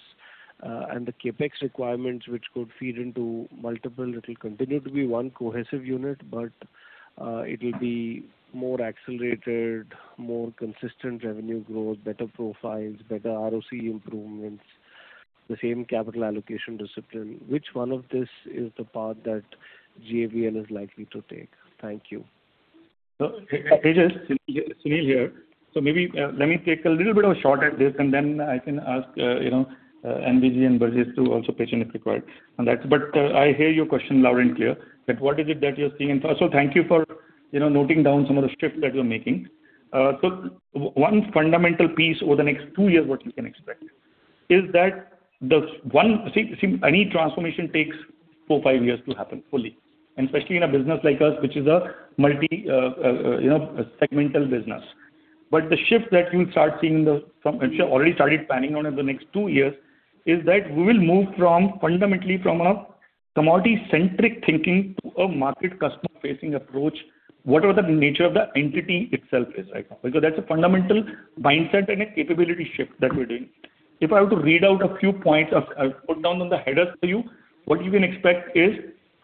and the CapEx requirements which could feed into multiple, it will continue to be one cohesive unit, but it will be more accelerated, more consistent revenue growth, better profiles, better ROC improvements, the same capital allocation discipline. Which one of this is the path that GAVL is likely to take? Thank you. Aejas, Sunil here. Maybe, let me take a little bit of a shot at this, and then I can ask, you know, NBG and Burjis to also pitch in if required on that. I hear your question loud and clear, that what is it that you're seeing. Also thank you for, you know, noting down some of the shifts that we're making. One fundamental piece over the next two years. See, any transformation takes four, five years to happen fully, and especially in a business like us, which is a multi, you know, segmental business. The shift that you'll start seeing, which we have already started planning on in the next two years, is that we will move from fundamentally from a commodity-centric thinking to a market customer-facing approach, whatever the nature of the entity itself is right now. That's a fundamental mindset and a capability shift that we're doing. If I were to read out a few points I've put down on the headers for you, what you can expect is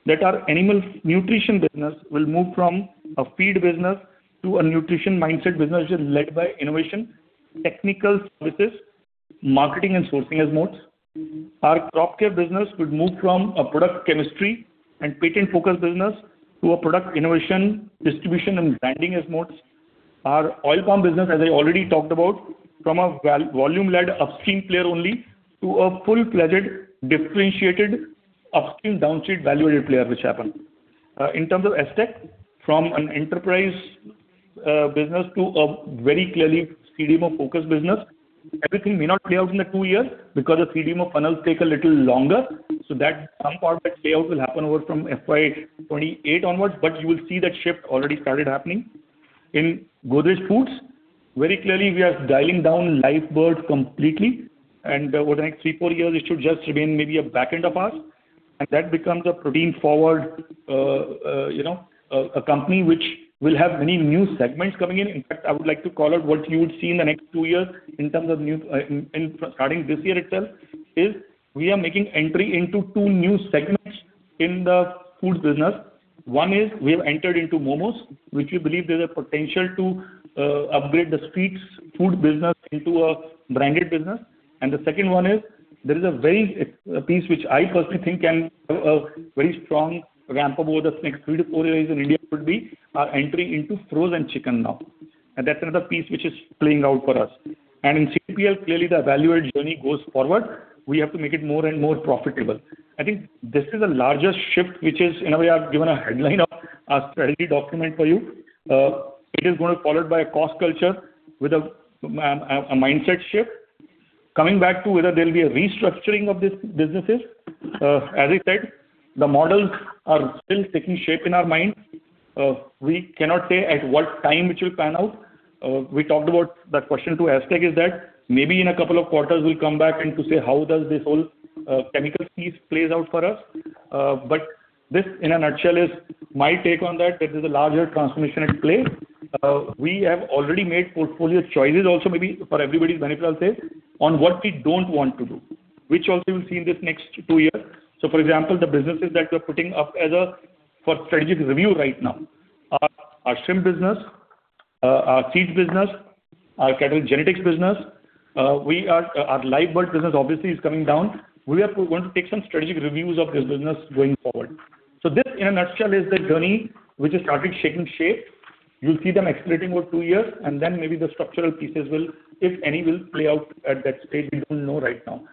that our animal nutrition business will move from a feed business to a nutrition mindset business which is led by innovation, technical services, marketing and sourcing as modes. Our crop care business would move from a product chemistry and patent-focused business to a product innovation, distribution and branding as modes. Our oil palm business, as I already talked about, from a volume-led upstream player only to a full-fledged differentiated upstream downstream value-added player, which happened. In terms of Astec, from an enterprise business to a very clearly CDMO-focused business. Everything may not play out in the two years because the CDMO funnels take a little longer, so that some part that play out will happen over from FY 2028 onwards, but you will see that shift already started happening. In Godrej Foods, very clearly we are dialing down live birds completely, and over the next three, four years it should just remain maybe a backend of ours, and that becomes a protein-forward, you know, a company which will have many new segments coming in. In fact, I would like to call out what you would see in the next two years in terms of new, starting this year itself, is we are making entry into two new segments in the foods business. One is we have entered into Momos, which we believe there's a potential to upgrade the streets food business into a branded business. The second one is there is a very piece which I personally think can have a very strong ramp up over the next three to four years in India could be our entry into frozen chicken now. That's another piece which is playing out for us. In CDPL, clearly the value add journey goes forward. We have to make it more and more profitable. I think this is the largest shift which is, in a way, I've given a headline of a strategy document for you. It is gonna be followed by a cost culture with a mindset shift. Coming back to whether there'll be a restructuring of these businesses, as I said, the models are still taking shape in our minds. We cannot say at what time it will pan out. We talked about that question to Astec is that maybe in a couple of quarters we'll come back and to say how does this whole chemical piece plays out for us. This in a nutshell is my take on that. This is a larger transformation at play. We have already made portfolio choices also maybe for everybody's benefit, I'll say, on what we don't want to do, which also you'll see in this next two years. For example, the businesses that we're putting up for strategic review right now are our shrimp business, our seeds business, our cattle genetics business. Our Live Bird business obviously is coming down. We are going to take some strategic reviews of this business going forward. This, in a nutshell, is the journey which has started shaking shape. You'll see them executing over two years, maybe the structural pieces will, if any, will play out at that stage. We don't know right now.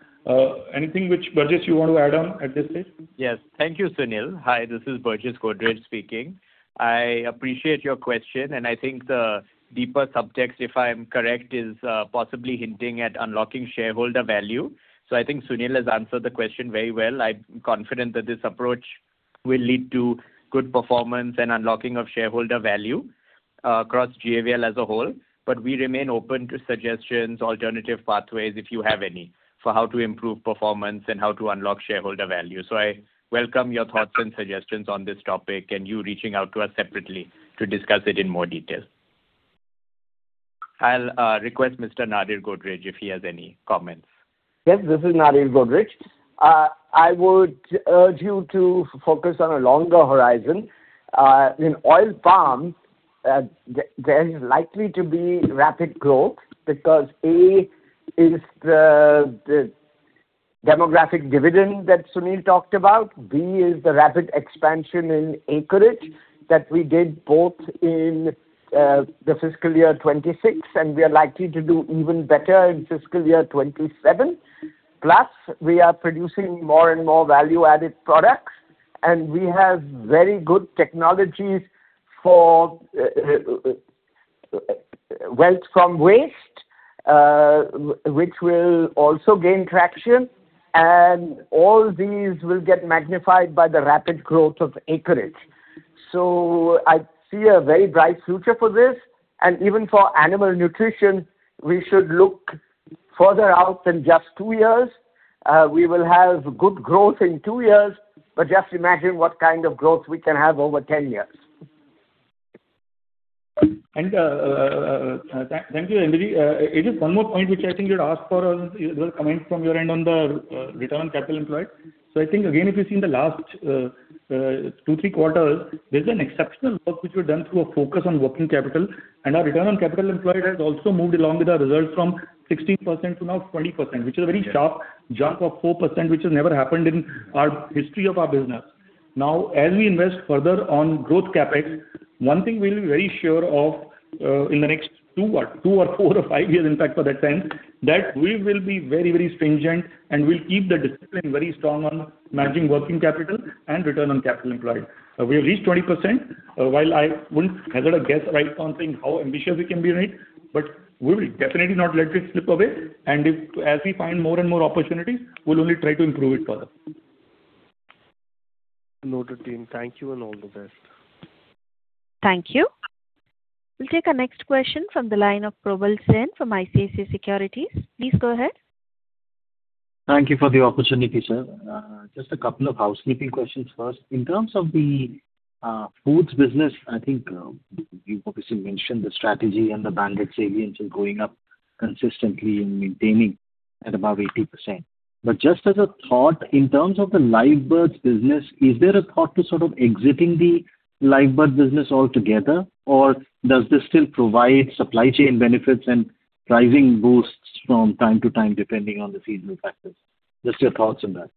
Anything which, Burjis, you want to add on at this stage? Yes. Thank you, Sunil. Hi, this is Burjis Godrej speaking. I appreciate your question, and I think the deeper subtext, if I'm correct, is possibly hinting at unlocking shareholder value. I think Sunil has answered the question very well. I'm confident that this approach will lead to good performance and unlocking of shareholder value across GAVL as a whole. We remain open to suggestions, alternative pathways, if you have any, for how to improve performance and how to unlock shareholder value. I welcome your thoughts and suggestions on this topic and you reaching out to us separately to discuss it in more detail. I'll request Mr. Nadir Godrej, if he has any comments. Yes, this is Nadir Godrej. I would urge you to focus on a longer horizon. In oil palm, there is likely to be rapid growth because, A, is the demographic dividend that Sunil talked about. B is the rapid expansion in acreage that we did both in the fiscal year 2026, and we are likely to do even better in fiscal year 2027. We are producing more and more value-added products, and we have very good technologies for wealth from waste, which will also gain traction, and all these will get magnified by the rapid growth of acreage. I see a very bright future for this. Even for animal nutrition, we should look further out than just two years. We will have good growth in two years, but just imagine what kind of growth we can have over 10 years. Thank you, NBG. It is one more point which I think you'd asked for a comment from your end on the return on capital employed. I think, again, if you've seen the last two, three quarters, there's an exceptional work which we've done through a focus on working capital. Our return on capital employed has also moved along with our results from 16% to now 20%, which is a very sharp jump of 4%, which has never happened in our history of our business. As we invest further on growth CapEx, one thing we'll be very sure of in the next two what? Two or four or five years, in fact, for that time, that we will be very stringent, and we'll keep the discipline very strong on managing working capital and return on capital employed. We have reached 20%. While I wouldn't hazard a guess right on saying how ambitious we can be, right? We will definitely not let this slip away. If, as we find more and more opportunities, we'll only try to improve it further. Noted, team. Thank you and all the best. Thank you. We'll take our next question from the line of Probal Sen from ICICI Securities. Please go ahead. Thank you for the opportunity, sir. Just a couple of housekeeping questions first. In terms of the foods business, I think, you obviously mentioned the strategy and the branded savings are going up consistently and maintaining at above 80%. Just as a thought, in terms of the Live Bird business, is there a thought to sort of exiting the Live Bird business altogether? Or does this still provide supply chain benefits and pricing boosts from time to time, depending on the seasonal factors? Just your thoughts on that.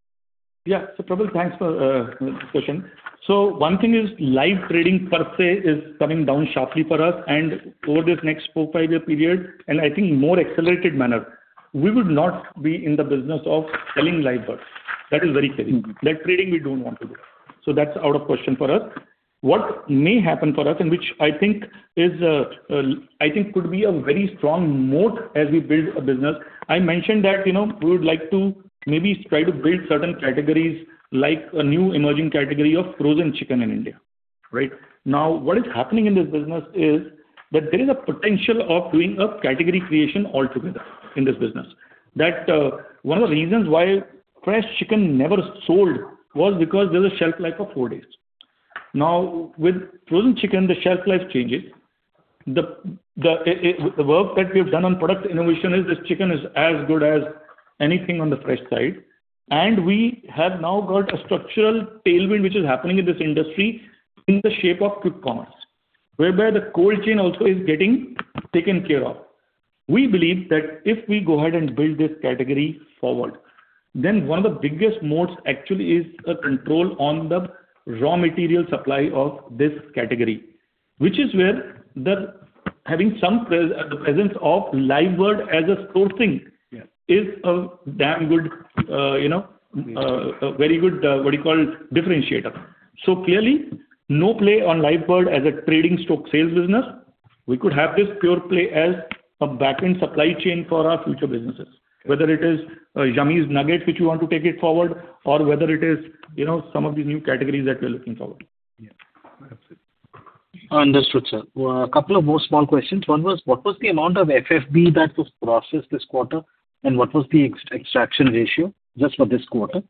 Probal, thanks for the question. One thing is live trading per se is coming down sharply for us and over this next four, five-year period, and I think more accelerated manner. We would not be in the business of selling live birds. That is very clear. That trading we don't want to do. That's out of question for us. What may happen for us, and which I think is, I think could be a very strong moat as we build a business. I mentioned that, you know, we would like to maybe try to build certain categories like a new emerging category of frozen chicken in India. Right. What is happening in this business is that there is a potential of doing a category creation altogether in this business. That, one of the reasons why fresh chicken never sold was because there's a shelf life of four days. Now, with frozen chicken, the shelf life changes. The work that we've done on product innovation is this chicken is as good as anything on the fresh side. We have now got a structural tailwind which is happening in this industry in the shape of quick commerce, whereby the cold chain also is getting taken care of. We believe that if we go ahead and build this category forward, then one of the biggest moats actually is a control on the raw material supply of this category. Which is where having some presence of Live Bird as a sourcing- Yes. Is a damn good, you know, a very good, what do you call it, differentiator. Clearly, no play on Live Bird as a trading stock sales business. We could have this pure play as a back-end supply chain for our future businesses, whether it is Yummiez nuggets which we want to take it forward or whether it is, you know, some of the new categories that we're looking forward. Yeah. That's it. Understood, sir. Two more small questions. One was, what was the amount of FFB that was processed this quarter, and what was the ex-extraction ratio just for this quarter?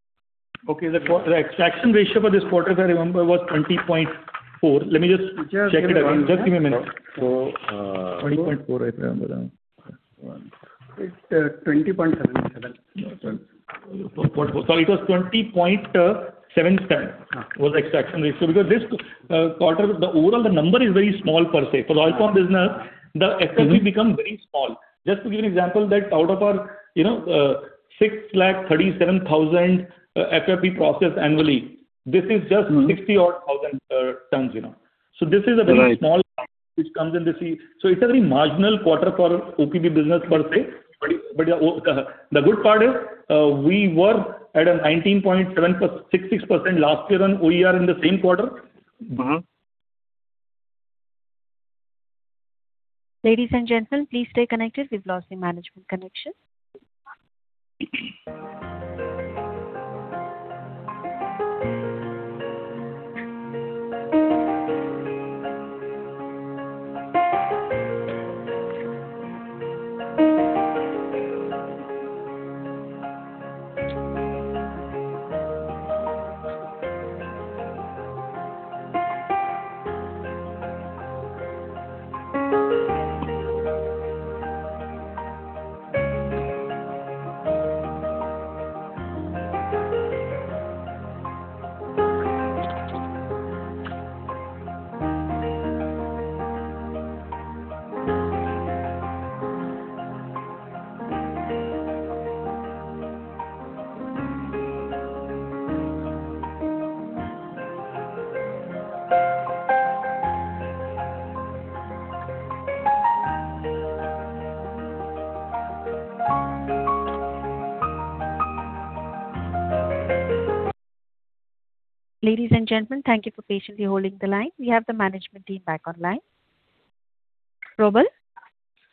Okay. The extraction ratio for this quarter, if I remember, was 20.4. Let me just check it again. Just give me a minute. So, uh- 20.4, if I remember. 1. It's 20.77. Sorry, it was 20.77- Uh. -was the extraction ratio. This quarter, the overall the number is very small per se. For the oil palm business, the FFB becomes very small. Just to give you example that out of our, you know, 6 lakh 37,000 FFB processed annually, this is just- Mm-hmm. -60,000 tons, you know. Right. small amount which comes in the sea. It's a very marginal quarter for OPB business per se. The good part is, we were at a 19.766% last year on OER in the same quarter. Mm-hmm. Ladies and gentlemen, please stay connected. We've lost the management connection. Ladies and gentlemen, thank you for patiently holding the line. We have the management team back online. Probal.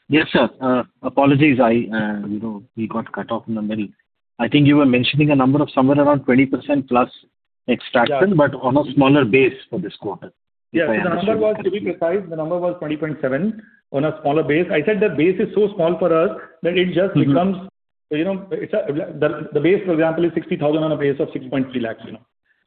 Yes, sir. Apologies, I, you know, we got cut off in the middle. I think you were mentioning a number of somewhere around 20%+ extraction. Yeah. On a smaller base for this quarter. Yes. The number was, to be precise, the number was 20.7% on a smaller base. I said the base is so small for us that it just becomes. Mm-hmm. You know, the base, for example, is 60,000 on a base of 6.3 lakhs, you know.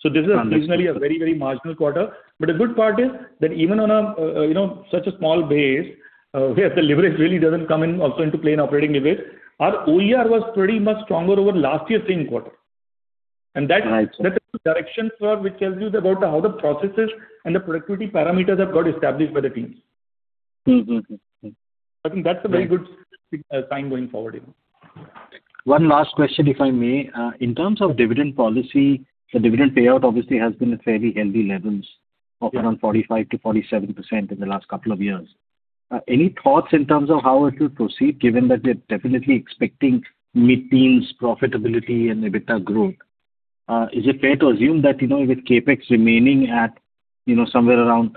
Understood. Seasonally a very marginal quarter. The good part is that even on a, you know, such a small base, where the leverage really doesn't come in also into play in operating leverage, our OER was pretty much stronger over last year's same quarter. Right. That is the direction for which tells you about the how the processes and the productivity parameters have got established by the teams. Mm-hmm. Mm-hmm. I think that's a very good sign going forward, you know. One last question, if I may. In terms of dividend policy, the dividend payout obviously has been at fairly healthy levels. Yeah. -of around 45%-47% in the last couple of years. Any thoughts in terms of how it will proceed, given that we're definitely expecting mid-teens profitability and EBITDA growth? Is it fair to assume that, you know, with CapEx remaining at, you know, somewhere around,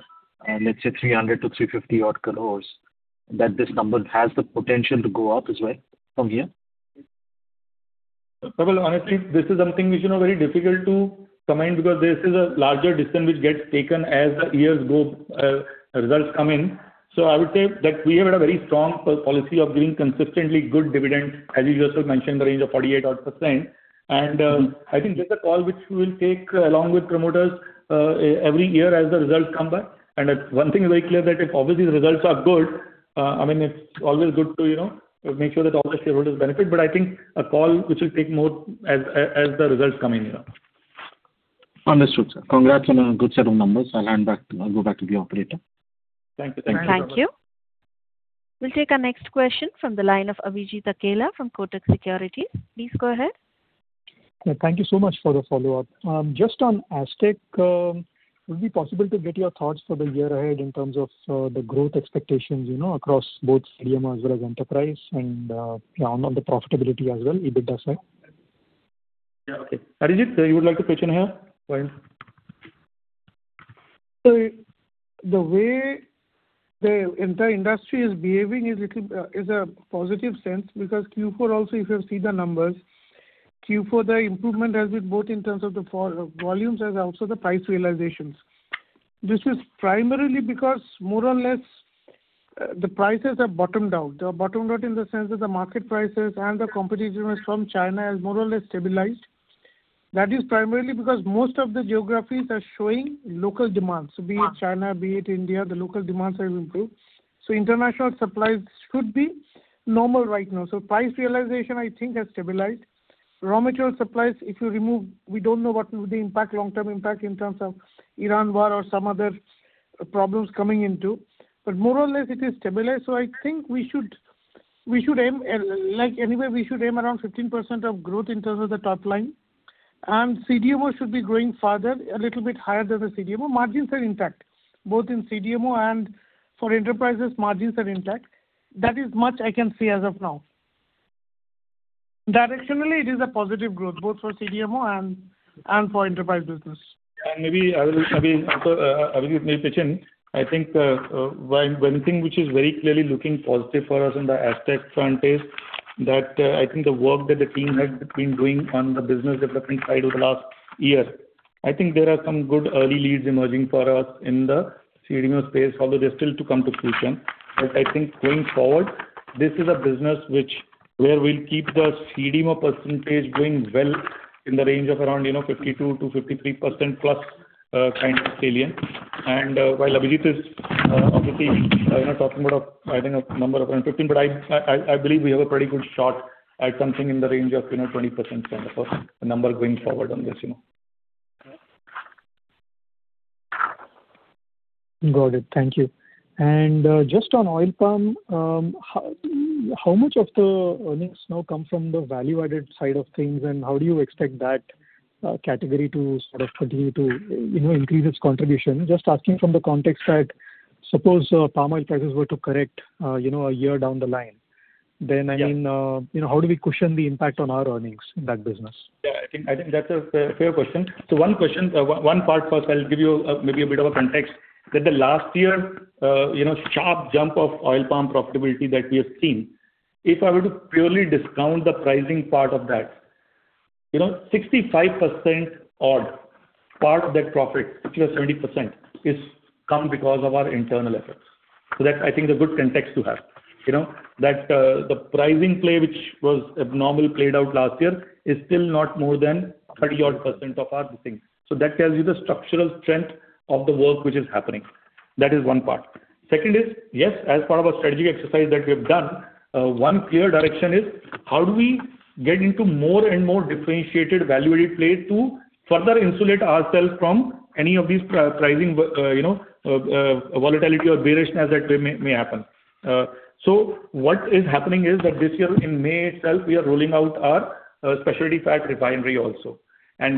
let's say 300 crore-350 crore, that this number has the potential to go up as well from here? Well, honestly, this is something which, you know, very difficult to comment because this is a larger decision which gets taken as the years go, results come in. I would say that we have a very strong policy of giving consistently good dividend, as you just mentioned, the range of 48% odd. I think this is a call which we will take along with promoters every year as the results come by. One thing is very clear that if, obviously, the results are good, I mean, it's always good to, you know, make sure that all the shareholders benefit. I think a call which will take more as the results come in, you know. Understood, sir. Congrats on a good set of numbers. I'll go back to the operator. Thank you. Thank you. Thank you. We'll take our next question from the line of Abhijit Akella from Kotak Securities. Please go ahead. Thank you so much for the follow-up. Just on Astec, would it be possible to get your thoughts for the year ahead in terms of the growth expectations, you know, across both CDMO as well as enterprise and, yeah, on the profitability as well, EBITDA side? Yeah. Okay. Abhijit, you would like to pitch in here? Go ahead. The way the entire industry is behaving is little, is a positive sense because Q4 also you can see the numbers. Q4, the improvement has been both in terms of the volumes and also the price realizations. This is primarily because more or less, the prices have bottomed out. They have bottomed out in the sense that the market prices and the competition from China has more or less stabilized. That is primarily because most of the geographies are showing local demands. Be it China, be it India, the local demands have improved. International supplies should be normal right now. Price realization, I think, has stabilized. Raw material supplies, if you remove, we don't know what will be the impact, long-term impact in terms of Iran war or some other problems coming into. More or less it is stabilized. I think we should aim, anyway, we should aim around 15% of growth in terms of the top line. CDMO should be growing further, a little bit higher than the CDMO. Margins are intact, both in CDMO and for enterprises. That is much I can say as of now. Directionally, it is a positive growth both for CDMO and for enterprise business. Maybe I will, I mean, Arijit may pitch in. I think, one thing which is very clearly looking positive for us on the Astec front is that, I think the work that the team has been doing on the business development side over the last year, I think there are some good early leads emerging for us in the CDMO space, although they're still to come to fruition. I think going forward, this is a business where we'll keep the CDMO percentage doing well in the range of around, you know, 52%-53% plus, kind of salient. While Abhijit is obviously, you know, talking about, I think, a number of around 15%, but I believe we have a pretty good shot at something in the range of, you know, 20% kind of a number going forward on this, you know. Got it. Thank you. Just on oil palm, how much of the earnings now come from the value-added side of things, and how do you expect that category to sort of continue to, you know, increase its contribution? Just asking from the context that suppose palm oil prices were to correct, you know, a year down the line. I mean Yeah. You know, how do we cushion the impact on our earnings in that business? Yeah, I think, I think that's a fair question. One part first I'll give you maybe a bit of a context, that the last year, you know, sharp jump of oil palm profitability that we have seen, if I were to purely discount the pricing part of that, you know, 65% or part of that profit, which was 30%, is come because of our internal efforts. That's I think the good context to have. You know, that the pricing play which was abnormal played out last year is still not more than 30 odd percent of our business. That tells you the structural strength of the work which is happening. That is one part. Second is, yes, as part of our strategy exercise that we have done, one clear direction is how do we get into more and more differentiated value-added play to further insulate ourselves from any of these pricing, you know, volatility or bearishness that may happen. So what is happening is that this year in May itself, we are rolling out our specialty fat refinery also,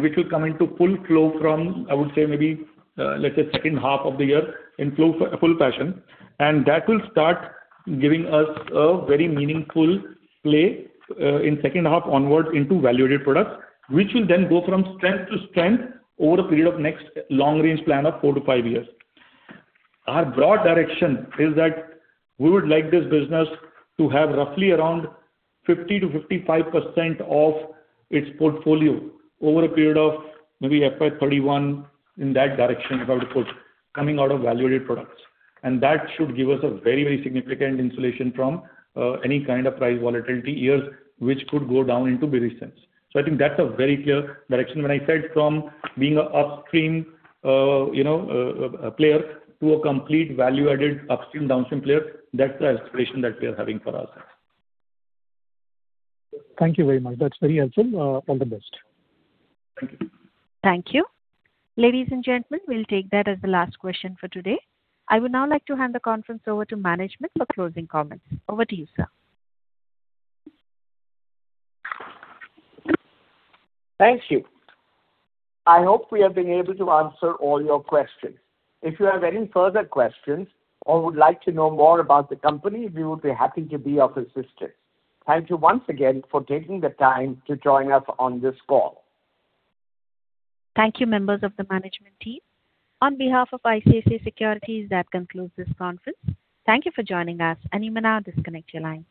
which will come into full flow from, I would say maybe, let's say second half of the year in flow, full fashion. That will start giving us a very meaningful play in second half onwards into value-added products, which will then go from strength to strength over a period of next long range plan of four to five years. Our broad direction is that we would like this business to have roughly around 50%-55% of its portfolio over a period of maybe FY 2031 in that direction, if I were to put, coming out of value-added products. That should give us a very, very significant insulation from any kind of price volatility years which could go down into bearish sense. I think that's a very clear direction. When I said from being a upstream, you know, player to a complete value-added upstream, downstream player, that's the aspiration that we are having for ourselves. Thank you very much. That's very helpful. All the best. Thank you. Thank you. Ladies and gentlemen, we will take that as the last question for today. I would now like to hand the conference over to management for closing comments. Over to you, sir. Thank you. I hope we have been able to answer all your questions. If you have any further questions or would like to know more about the company, we would be happy to be of assistance. Thank you once again for taking the time to join us on this call. Thank you, members of the management team. On behalf of ICICI Securities, that concludes this conference. Thank you for joining us, and you may now disconnect your lines.